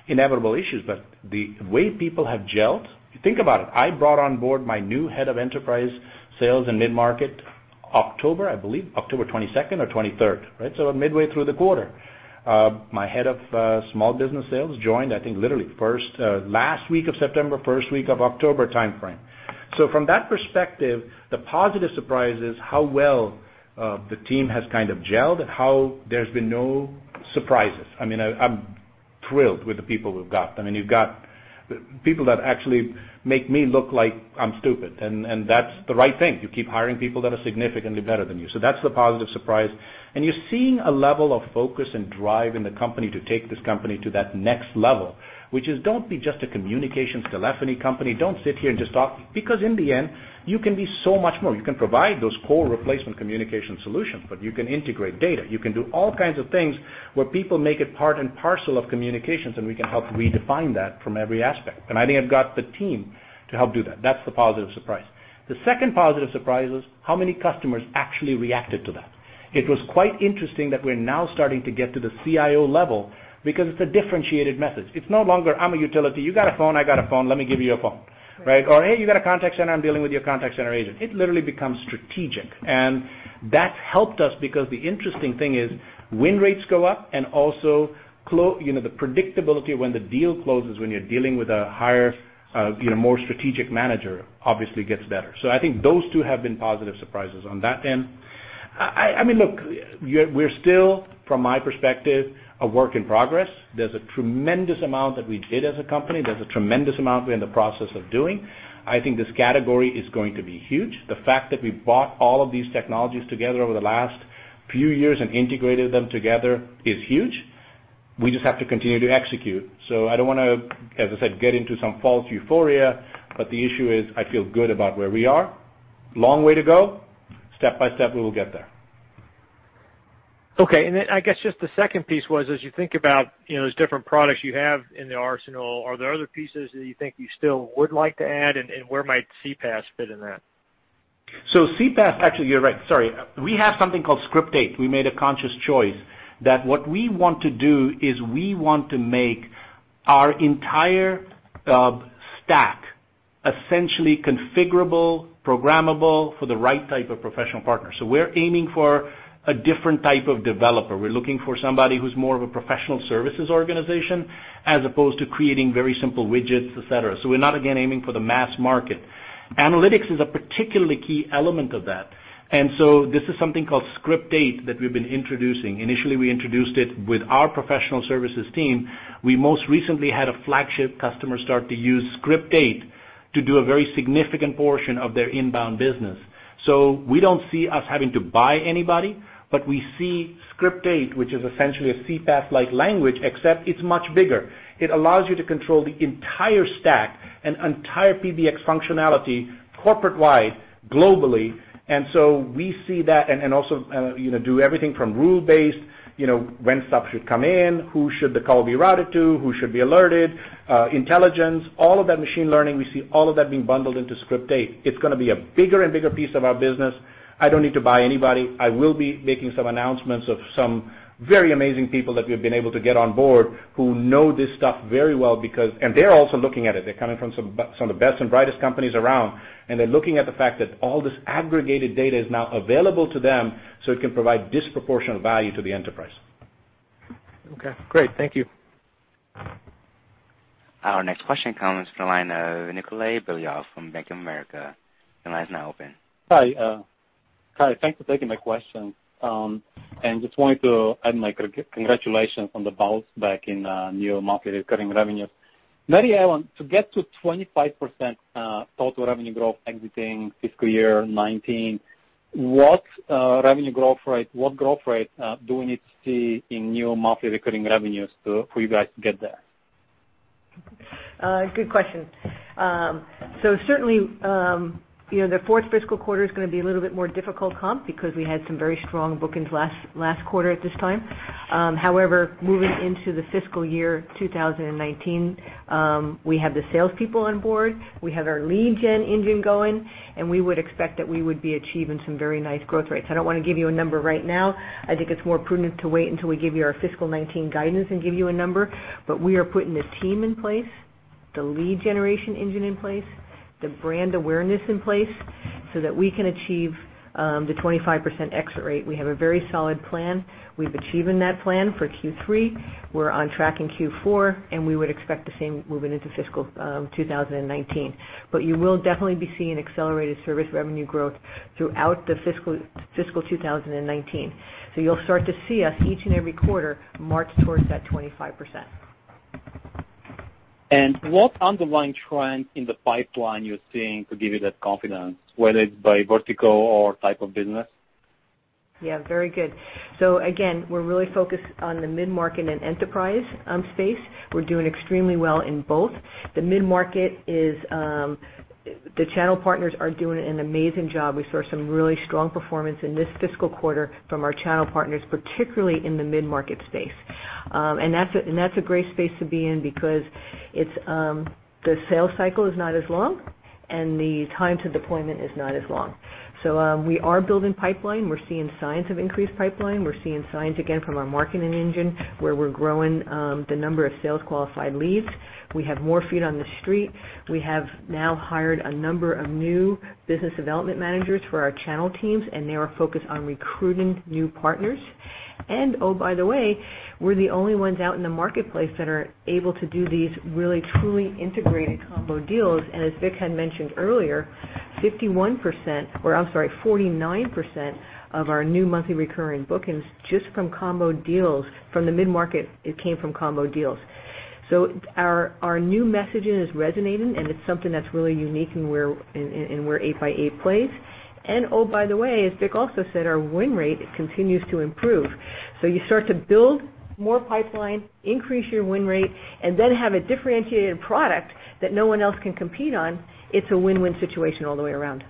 inevitable issues. The way people have gelled, think about it, I brought on board my new head of enterprise sales and mid-market October, I believe, October 22nd or 23rd, right? Midway through the quarter. My head of small business sales joined, I think, literally last week of September, first week of October timeframe. From that perspective, the positive surprise is how well the team has gelled and how there's been no surprises. I mean, I'm thrilled with the people we've got. I mean, you've got people that actually make me look like I'm stupid, and that's the right thing. You keep hiring people that are significantly better than you. That's the positive surprise. You're seeing a level of focus and drive in the company to take this company to that next level, which is don't be just a communications telephony company. Don't sit here and just talk because in the end, you can be so much more. You can provide those core replacement communication solutions, but you can integrate data. You can do all kinds of things where people make it part and parcel of communications, and we can help redefine that from every aspect. I think I've got the team to help do that. That's the positive surprise. The second positive surprise is how many customers actually reacted to that. It was quite interesting that we're now starting to get to the CIO level because it's a differentiated message. It's no longer, "I'm a utility. You got a phone, I got a phone. Let me give you a phone." Right? Or, "Hey, you got a contact center. I'm dealing with your contact center agent." It literally becomes strategic. That's helped us because the interesting thing is win rates go up and also the predictability when the deal closes, when you're dealing with a higher, more strategic manager obviously gets better. I think those two have been positive surprises on that end. I mean, look, we're still, from my perspective, a work in progress. There's a tremendous amount that we did as a company. There's a tremendous amount we're in the process of doing. I think this category is going to be huge. The fact that we bought all of these technologies together over the last few years and integrated them together is huge. We just have to continue to execute. I don't want to, as I said, get into some false euphoria, but the issue is I feel good about where we are. Long way to go. Step by step, we will get there. Okay. Then I guess just the second piece was, as you think about those different products you have in the arsenal, are there other pieces that you think you still would like to add, and where might CPaaS fit in that? CPaaS, actually, you're right. Sorry. We have something called Script8. We made a conscious choice that what we want to do is we want to make our entire stack essentially configurable, programmable for the right type of professional partner. We're aiming for a different type of developer. We're looking for somebody who's more of a professional services organization as opposed to creating very simple widgets, et cetera. We're not, again, aiming for the mass market. Analytics is a particularly key element of that, this is something called Script8 that we've been introducing. Initially, we introduced it with our professional services team. We most recently had a flagship customer start to use Script8 to do a very significant portion of their inbound business. We don't see us having to buy anybody, but we see Script8, which is essentially a CPaaS-like language, except it's much bigger. It allows you to control the entire stack and entire PBX functionality corporate-wide, globally. We see that and also do everything from rule-based, when stuff should come in, who should the call be routed to, who should be alerted, intelligence, all of that machine learning, we see all of that being bundled into Script8. It's going to be a bigger and bigger piece of our business. I don't need to buy anybody. I will be making some announcements of some very amazing people that we've been able to get on board who know this stuff very well because they're also looking at it. They're coming from some of the best and brightest companies around, and they're looking at the fact that all this aggregated data is now available to them, it can provide disproportionate value to the enterprise. Okay, great. Thank you. Our next question comes from the line of Nikolay Beliov from Bank of America. The line is now open. Hi. Thanks for taking my question. Just wanted to add my congratulations on the bounce back in new monthly recurring revenues. Mary Ellen, to get to 25% total revenue growth exiting fiscal year 2019, what revenue growth rate do we need to see in new monthly recurring revenues for you guys to get there? Good question. Certainly, the fourth fiscal quarter is going to be a little bit more difficult comp because we had some very strong bookings last quarter at this time. However, moving into the fiscal year 2019, we have the salespeople on board. We have our lead gen engine going, we would expect that we would be achieving some very nice growth rates. I don't want to give you a number right now. I think it's more prudent to wait until we give you our fiscal 2019 guidance and give you a number. We are putting the team in place, the lead generation engine in place, the brand awareness in place so that we can achieve the 25% exit rate. We have a very solid plan. We've achieving that plan for Q3. We're on track in Q4, we would expect the same moving into fiscal 2019. You will definitely be seeing accelerated service revenue growth throughout the fiscal 2019. You'll start to see us each and every quarter march towards that 25%. What underlying trends in the pipeline you're seeing could give you that confidence, whether it's by vertical or type of business? Yeah, very good. Again, we're really focused on the mid-market and enterprise space. We're doing extremely well in both. The channel partners are doing an amazing job. We saw some really strong performance in this fiscal quarter from our channel partners, particularly in the mid-market space. That's a great space to be in because the sales cycle is not as long, and the time to deployment is not as long. We are building pipeline. We're seeing signs of increased pipeline. We're seeing signs, again, from our marketing engine, where we're growing the number of sales-qualified leads. We have more feet on the street. We have now hired a number of new business development managers for our channel teams, they are focused on recruiting new partners. Oh, by the way, we're the only ones out in the marketplace that are able to do these really, truly integrated combo deals. As Vik had mentioned earlier, 51%, or I'm sorry, 49% of our new monthly recurring bookings, just from combo deals from the mid-market, it came from combo deals. Our new messaging is resonating, it's something that's really unique in where 8x8 plays. Oh, by the way, as Vik also said, our win rate continues to improve. You start to build more pipeline, increase your win rate, then have a differentiated product that no one else can compete on. It's a win-win situation all the way around.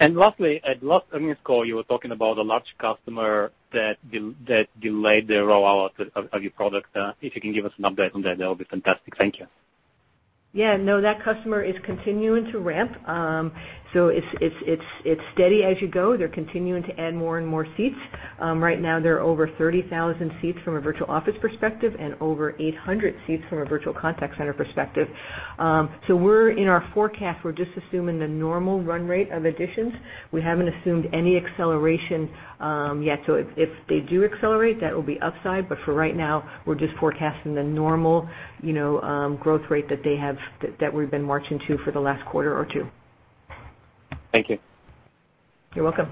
Lastly, at last earnings call, you were talking about a large customer that delayed the rollout of your product. If you can give us an update on that would be fantastic. Thank you. Yeah, no, that customer is continuing to ramp. It's steady as you go. They're continuing to add more and more seats. Right now, they're over 30,000 seats from a Virtual Office perspective and over 800 seats from a Virtual Contact Center perspective. We're in our forecast. We're just assuming the normal run rate of additions. We haven't assumed any acceleration yet. If they do accelerate, that will be upside. For right now, we're just forecasting the normal growth rate that we've been marching to for the last quarter or two. Thank you. You're welcome.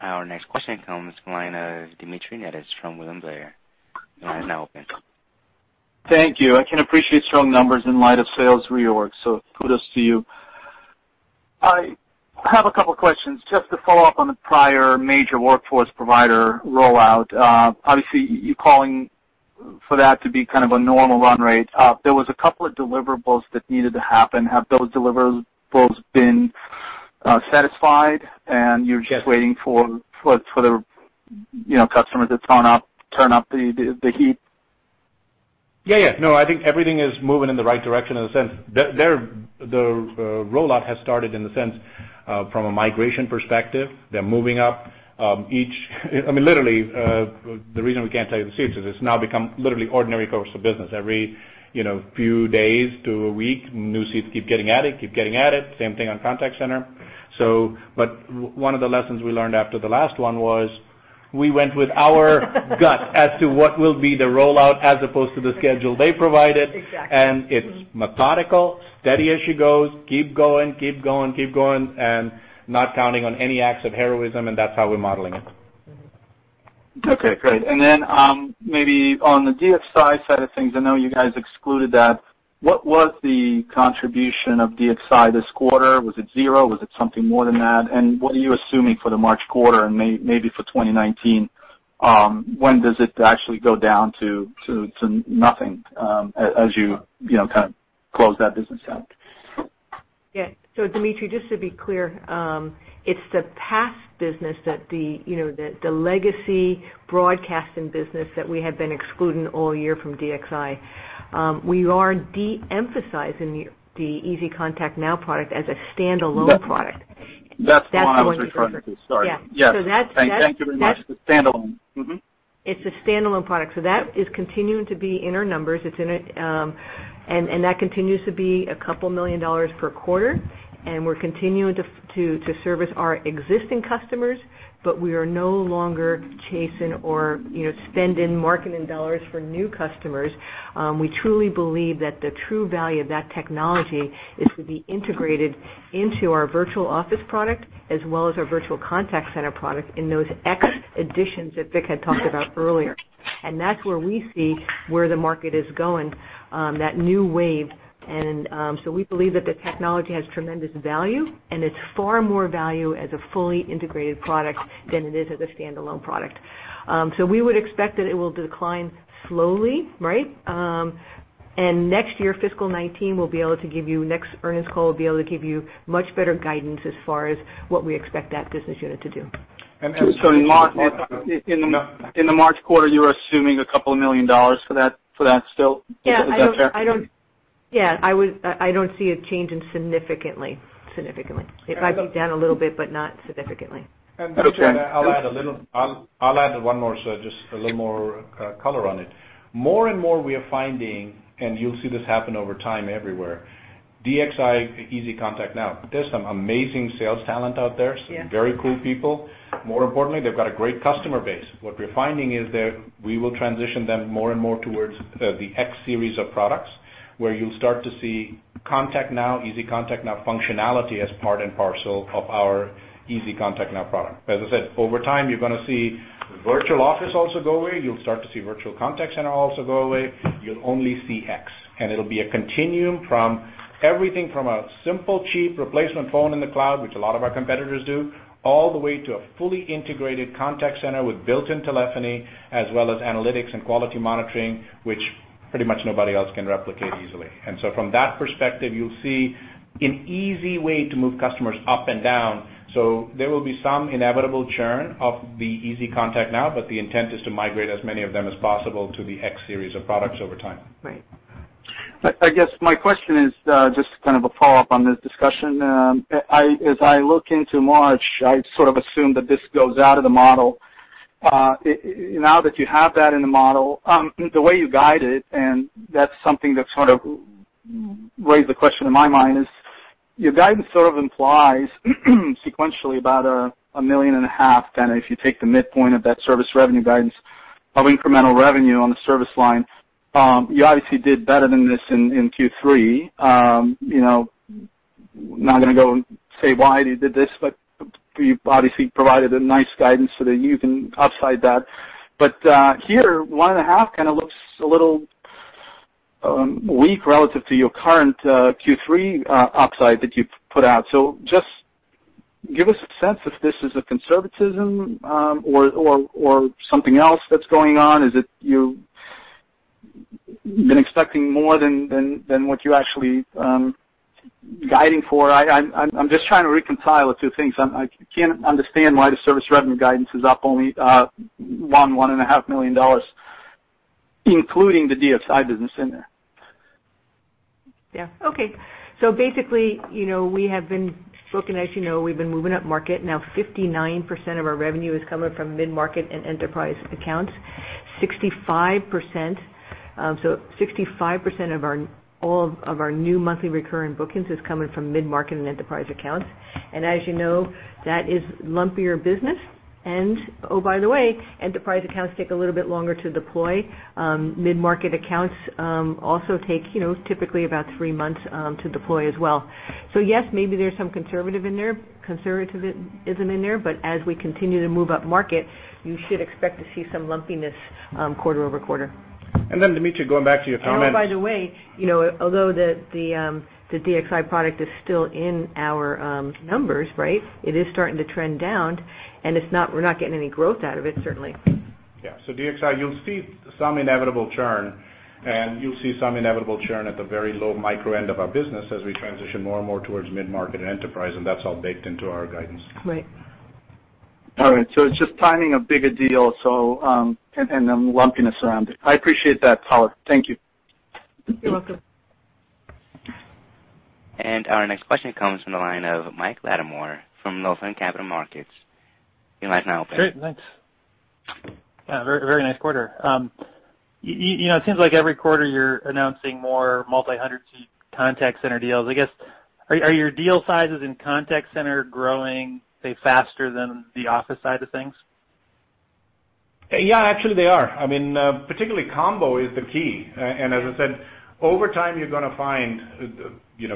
Our next question comes from the line of Dmitry Netis from William Blair. The line is now open. Thank you. I can appreciate strong numbers in light of sales reorg, so kudos to you. I have a couple questions just to follow up on the prior major workforce provider rollout. Obviously, you're calling for that to be kind of a normal run rate. There was a couple of deliverables that needed to happen. Have those deliverables been satisfied, and you're just waiting for the customers to turn up the heat? Yeah. No, I think everything is moving in the right direction in a sense. The rollout has started in the sense from a migration perspective. They're moving up each I mean, literally, the reason we can't tell you the seats is it's now become literally ordinary course of business. Every few days to a week, new seats keep getting added. Same thing on contact center. One of the lessons we learned after the last one was we went with our guts as to what will be the rollout as opposed to the schedule they provided. Exactly. It's methodical, steady as she goes. Keep going, and not counting on any acts of heroism, and that's how we're modeling it. Okay, great. Then maybe on the DXI side of things, I know you guys excluded that What was the contribution of DXI this quarter? Was it zero? Was it something more than that? What are you assuming for the March quarter and maybe for 2019? When does it actually go down to nothing, as you kind of close that business out? Yeah. Dmitry, just to be clear, it's the past business that the legacy broadcasting business that we have been excluding all year from DXI. We are de-emphasizing the EasyContactNow product as a standalone product. That's the one I was referring to. Sorry. Yeah. Yes. That's- Thank you very much. The standalone. Mm-hmm. It's a standalone product. That is continuing to be in our numbers, that continues to be a couple million dollars per quarter, we're continuing to service our existing customers, we are no longer chasing or spending marketing dollars for new customers. We truly believe that the true value of that technology is to be integrated into our Virtual Office product, as well as our Virtual Contact Center product in those X Editions that Vik had talked about earlier. That's where we see where the market is going, that new wave. We believe that the technology has tremendous value, it's far more value as a fully integrated product than it is as a standalone product. We would expect that it will decline slowly, right? Next year, fiscal 2019, next earnings call, we'll be able to give you much better guidance as far as what we expect that business unit to do. In the March quarter, you are assuming a couple of million dollars for that still? Yeah. Is that fair? Yeah. I don't see it changing significantly. It might be down a little bit, not significantly. Okay. Dmitry, I'll add one more, just a little more color on it. More and more we are finding, you'll see this happen over time everywhere, DXI, EasyContactNow, there's some amazing sales talent out there. Yeah. Some very cool people. More importantly, they've got a great customer base. What we're finding is that we will transition them more and more towards the X Series of products, where you'll start to see ContactNow, EasyContactNow functionality as part and parcel of our EasyContactNow product. As I said, over time, you're gonna see Virtual Office also go away. You'll start to see Virtual Contact Center also go away. You'll only see X, it'll be a continuum from everything from a simple, cheap replacement phone in the cloud, which a lot of our competitors do, all the way to a fully integrated contact center with built-in telephony, as well as analytics and quality monitoring, which pretty much nobody else can replicate easily. From that perspective, you'll see an easy way to move customers up and down. There will be some inevitable churn of the EasyContactNow, the intent is to migrate as many of them as possible to the X Series of products over time. Right. I guess my question is, just kind of a follow-up on this discussion. As I look into March, I sort of assume that this goes out of the model. Now that you have that in the model, the way you guide it, and that's something that sort of raised the question in my mind is, your guidance sort of implies sequentially about a million and a half. If you take the midpoint of that service revenue guidance of incremental revenue on the service line, you obviously did better than this in Q3. I'm not gonna go and say why you did this, but you've obviously provided a nice guidance so that you can upside that. Here, one and a half kind of looks a little weak relative to your current Q3 upside that you've put out. Just give us a sense if this is a conservatism, or something else that's going on. Is it you've been expecting more than what you're actually guiding for? I'm just trying to reconcile the two things. I can't understand why the service revenue guidance is up only, $1, $1.5 million, including the DXI business in there. Yeah. Okay. Basically, we have been booking, as you know, we've been moving upmarket. Now 59% of our revenue is coming from mid-market and enterprise accounts. 65% of all of our new monthly recurring bookings is coming from mid-market and enterprise accounts. As you know, that is lumpier business and, oh, by the way, enterprise accounts take a little bit longer to deploy. Mid-market accounts also take typically about three months to deploy as well. Yes, maybe there's some conservatism in there, but as we continue to move upmarket, you should expect to see some lumpiness quarter-over-quarter. Dmitry, going back to your comment. oh, by the way, although the DXI product is still in our numbers, right? It is starting to trend down, and we're not getting any growth out of it, certainly. Yeah. DXI, you'll see some inevitable churn, and you'll see some inevitable churn at the very low micro end of our business as we transition more and more towards mid-market and enterprise, and that's all baked into our guidance. Right. All right. It's just timing a bigger deal, and the lumpiness around it. I appreciate that color. Thank you. You're welcome. Our next question comes from the line of Mike Latimore from Northland Capital Markets. Your line now open. Great, thanks. Yeah, very nice quarter. It seems like every quarter you're announcing more multi-100 seat contact center deals. I guess, are your deal sizes in contact center growing, say, faster than the office side of things? Yeah, actually, they are. Particularly combo is the key. As I said, over time, you're gonna find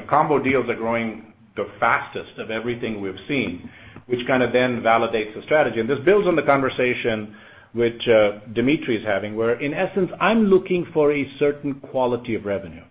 combo deals are growing the fastest of everything we've seen, which kind of then validates the strategy. This builds on the conversation which Dmitry is having, where, in essence, I'm looking for a certain quality of revenue.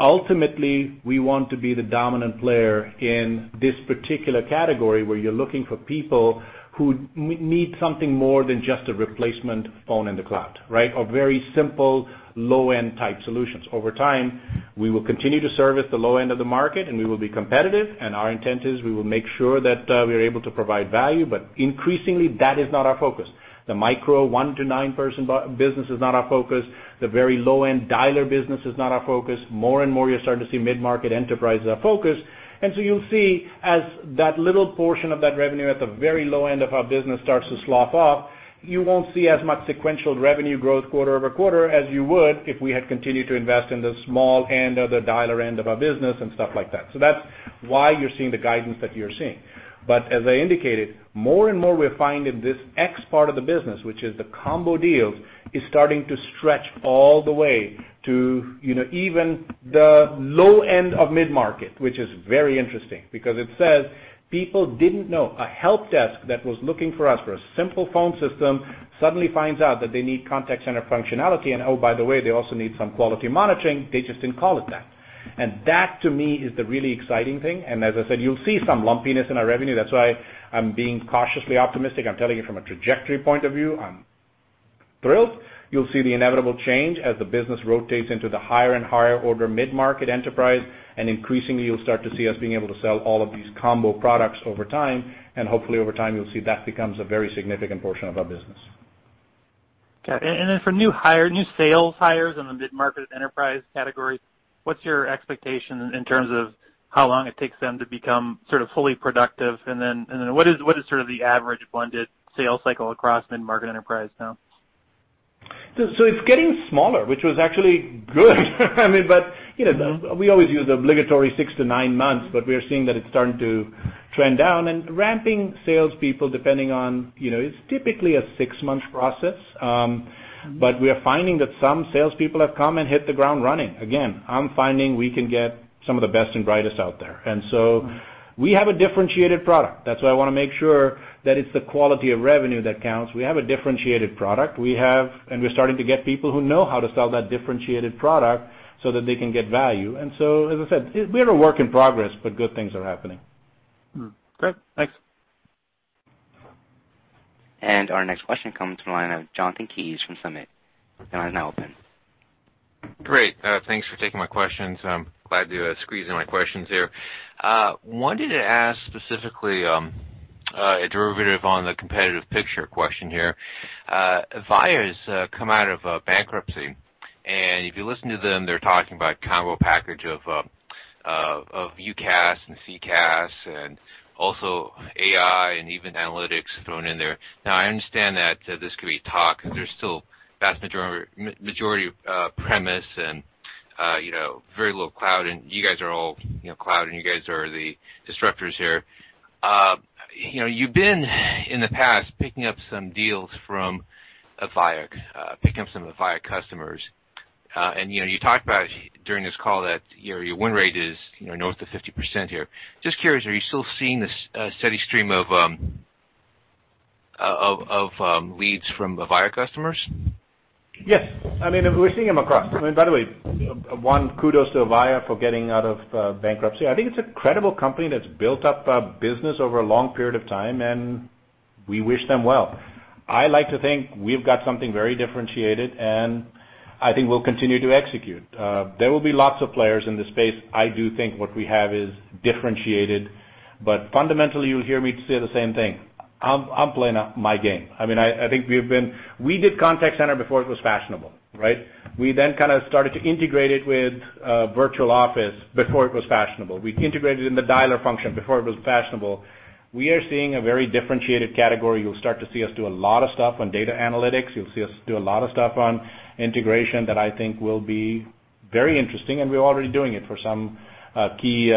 Ultimately, we want to be the dominant player in this particular category, where you're looking for people who need something more than just a replacement phone in the cloud, right? A very simple low-end type solutions. Over time, we will continue to service the low end of the market, and we will be competitive. Our intent is we will make sure that we are able to provide value, but increasingly that is not our focus. The micro one to nine person business is not our focus. The very low-end dialer business is not our focus. More and more, you're starting to see mid-market enterprise is our focus. You'll see as that little portion of that revenue at the very low end of our business starts to slough off, you won't see as much sequential revenue growth quarter-over-quarter as you would if we had continued to invest in the small end or the dialer end of our business and stuff like that. That's why you're seeing the guidance that you're seeing. As I indicated, more and more we're finding this X part of the business, which is the combo deals, is starting to stretch all the way to even the low end of mid-market. Which is very interesting because it says people didn't know a help desk that was looking for us for a simple phone system suddenly finds out that they need contact center functionality, and oh, by the way, they also need some quality monitoring. They just didn't call it that. That to me is the really exciting thing. As I said, you'll see some lumpiness in our revenue. That's why I'm being cautiously optimistic. I'm telling you from a trajectory point of view, I'm thrilled. You'll see the inevitable change as the business rotates into the higher and higher order mid-market enterprise. Increasingly, you'll start to see us being able to sell all of these combo products over time. Hopefully over time, you'll see that becomes a very significant portion of our business. Okay. Then for new sales hires in the mid-market enterprise category, what's your expectation in terms of how long it takes them to become sort of fully productive? Then, what is sort of the average blended sales cycle across mid-market enterprise now? It's getting smaller, which was actually good. We always use obligatory six to nine months, but we are seeing that it's starting to trend down. Ramping salespeople, depending on, it's typically a six-month process. We are finding that some salespeople have come and hit the ground running. Again, I'm finding we can get some of the best and brightest out there. We have a differentiated product. That's why I want to make sure that it's the quality of revenue that counts. We have a differentiated product, and we're starting to get people who know how to sell that differentiated product so that they can get value. As I said, we are a work in progress, but good things are happening. Great. Thanks. Our next question comes from the line of Jonathan Kees from Summit. Your line is now open. Great. Thanks for taking my questions. I'm glad to squeeze in my questions here. Wanted to ask specifically, a derivative on the competitive picture question here. Avaya's come out of bankruptcy, if you listen to them, they're talking about combo package of UCaaS and CCaaS, also AI and even analytics thrown in there. I understand that this could be talk, there's still vast majority premise and very little cloud. You guys are all cloud, you guys are the disruptors here. You've been in the past picking up some deals from Avaya, picking up some Avaya customers. You talked about during this call that your win rate is north of 50% here. Just curious, are you still seeing this steady stream of leads from Avaya customers? Yes. We're seeing them across. By the way, one kudos to Avaya for getting out of bankruptcy. I think it's a credible company that's built up a business over a long period of time, we wish them well. I like to think we've got something very differentiated, I think we'll continue to execute. There will be lots of players in this space. I do think what we have is differentiated, fundamentally, you'll hear me say the same thing. I'm playing my game. We did contact center before it was fashionable, right? We kind of started to integrate it with Virtual Office before it was fashionable. We integrated in the dialer function before it was fashionable. We are seeing a very differentiated category. You'll start to see us do a lot of stuff on data analytics. You'll see us do a lot of stuff on integration that I think will be very interesting, we're already doing it for some key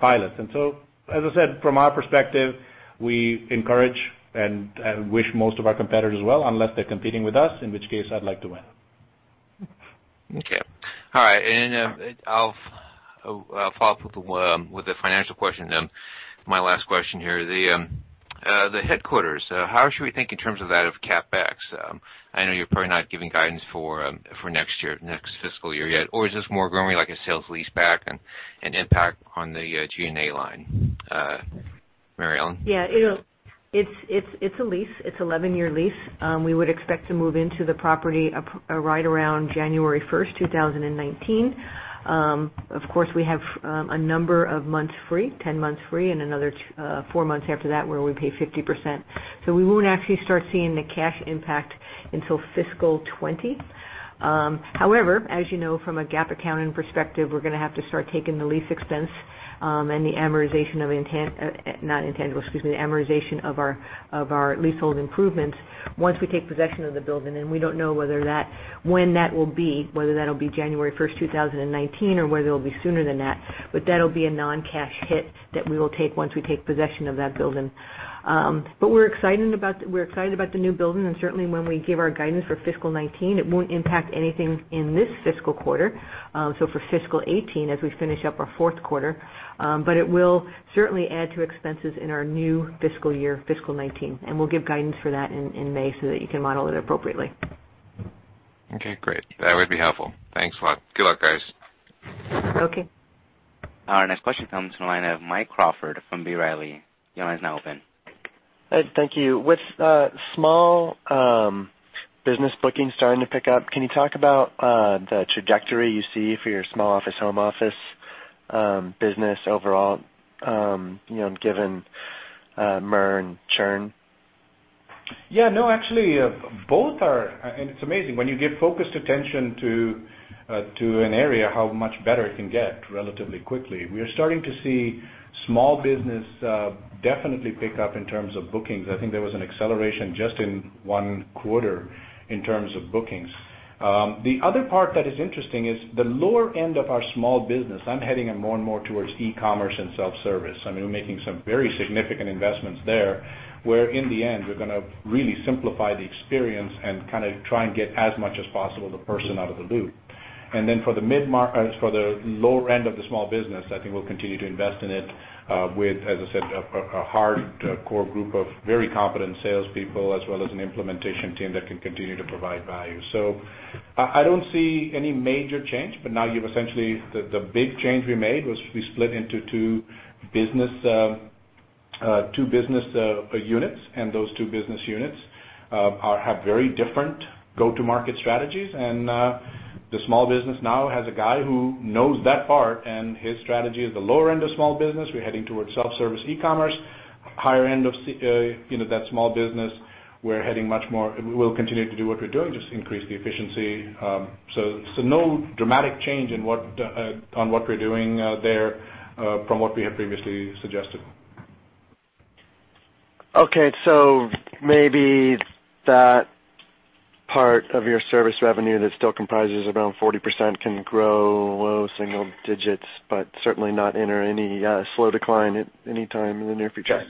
pilots. As I said, from our perspective, we encourage and wish most of our competitors well, unless they're competing with us, in which case, I'd like to win. Okay. All right. I'll follow up with a financial question then. My last question here. The headquarters, how should we think in terms of that of CapEx? I know you're probably not giving guidance for next fiscal year yet. Is this more growing like a sale-leaseback and impact on the G&A line? Mary Ellen? Yeah. It's a lease. It's 11-year lease. We would expect to move into the property right around January 1st, 2019. Of course, we have a number of months free, 10 months free and another four months after that where we pay 50%. We won't actually start seeing the cash impact until fiscal 2020. However, as you know from a GAAP accounting perspective, we're going to have to start taking the lease expense, and the amortization of our leasehold improvements once we take possession of the building. We don't know when that will be, whether that'll be January 1st, 2019, or whether it'll be sooner than that. That'll be a non-cash hit that we will take once we take possession of that building. We're excited about the new building, and certainly when we give our guidance for fiscal 2019, it won't impact anything in this fiscal quarter, so for fiscal 2018 as we finish up our fourth quarter. It will certainly add to expenses in our new fiscal year, fiscal 2019, and we'll give guidance for that in May so that you can model it appropriately. Okay, great. That would be helpful. Thanks a lot. Good luck, guys. Okay. Our next question comes from the line of Mike Crawford from B. Riley. Your line is now open. Thank you. With small business bookings starting to pick up, can you talk about the trajectory you see for your small office, home office business overall, given MRR and churn? Yeah, no, actually, both are. It's amazing when you give focused attention to an area how much better it can get relatively quickly. We are starting to see small business definitely pick up in terms of bookings. I think there was an acceleration just in one quarter in terms of bookings. The other part that is interesting is the lower end of our small business, I'm heading it more and more towards e-commerce and self-service. We're making some very significant investments there, where in the end, we're going to really simplify the experience and try and get as much as possible the person out of the loop. For the lower end of the small business, I think we'll continue to invest in it with, as I said, a hardcore group of very competent salespeople, as well as an implementation team that can continue to provide value. I don't see any major change, now you've essentially, the big change we made was we split into two business units. Those two business units have very different go-to-market strategies. The small business now has a guy who knows that part. His strategy is the lower end of small business. We're heading towards self-service e-commerce. Higher end of that small business, we're heading much more, we'll continue to do what we're doing, just increase the efficiency. No dramatic change on what we're doing there from what we have previously suggested. Okay. Maybe that part of your service revenue that still comprises around 40% can grow low single digits, but certainly not enter any slow decline at any time in the near future.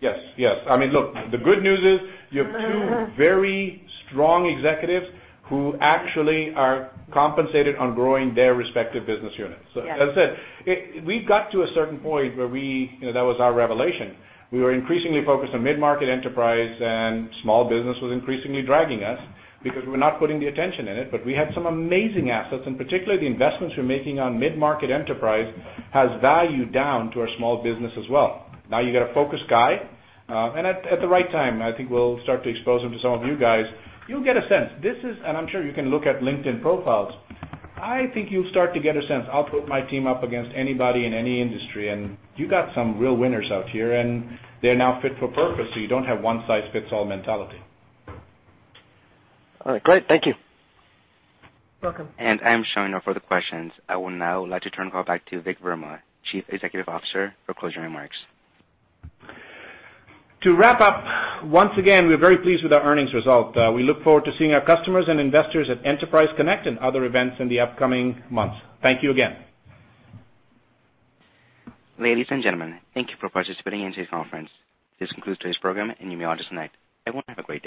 Yes. Look, the good news is you have two very strong executives who actually are compensated on growing their respective business units. Yes. As I said, we got to a certain point where that was our revelation. We were increasingly focused on mid-market enterprise, and small business was increasingly dragging us because we were not putting the attention in it. We had some amazing assets, and particularly the investments we're making on mid-market enterprise has value down to our small business as well. You've got a focused guy, and at the right time, I think we'll start to expose him to some of you guys. You'll get a sense. This is, and I'm sure you can look at LinkedIn profiles. I think you'll start to get a sense. I'll put my team up against anybody in any industry, and you got some real winners out here, and they're now fit for purpose, so you don't have one-size-fits-all mentality. All right, great. Thank you. Welcome. I am showing no further questions. I will now like to turn the call back to Vik Verma, Chief Executive Officer, for closing remarks. To wrap up, once again, we're very pleased with our earnings result. We look forward to seeing our customers and investors at Enterprise Connect and other events in the upcoming months. Thank you again. Ladies and gentlemen, thank you for participating in today's conference. This concludes today's program, and you may all disconnect. Everyone, have a great day.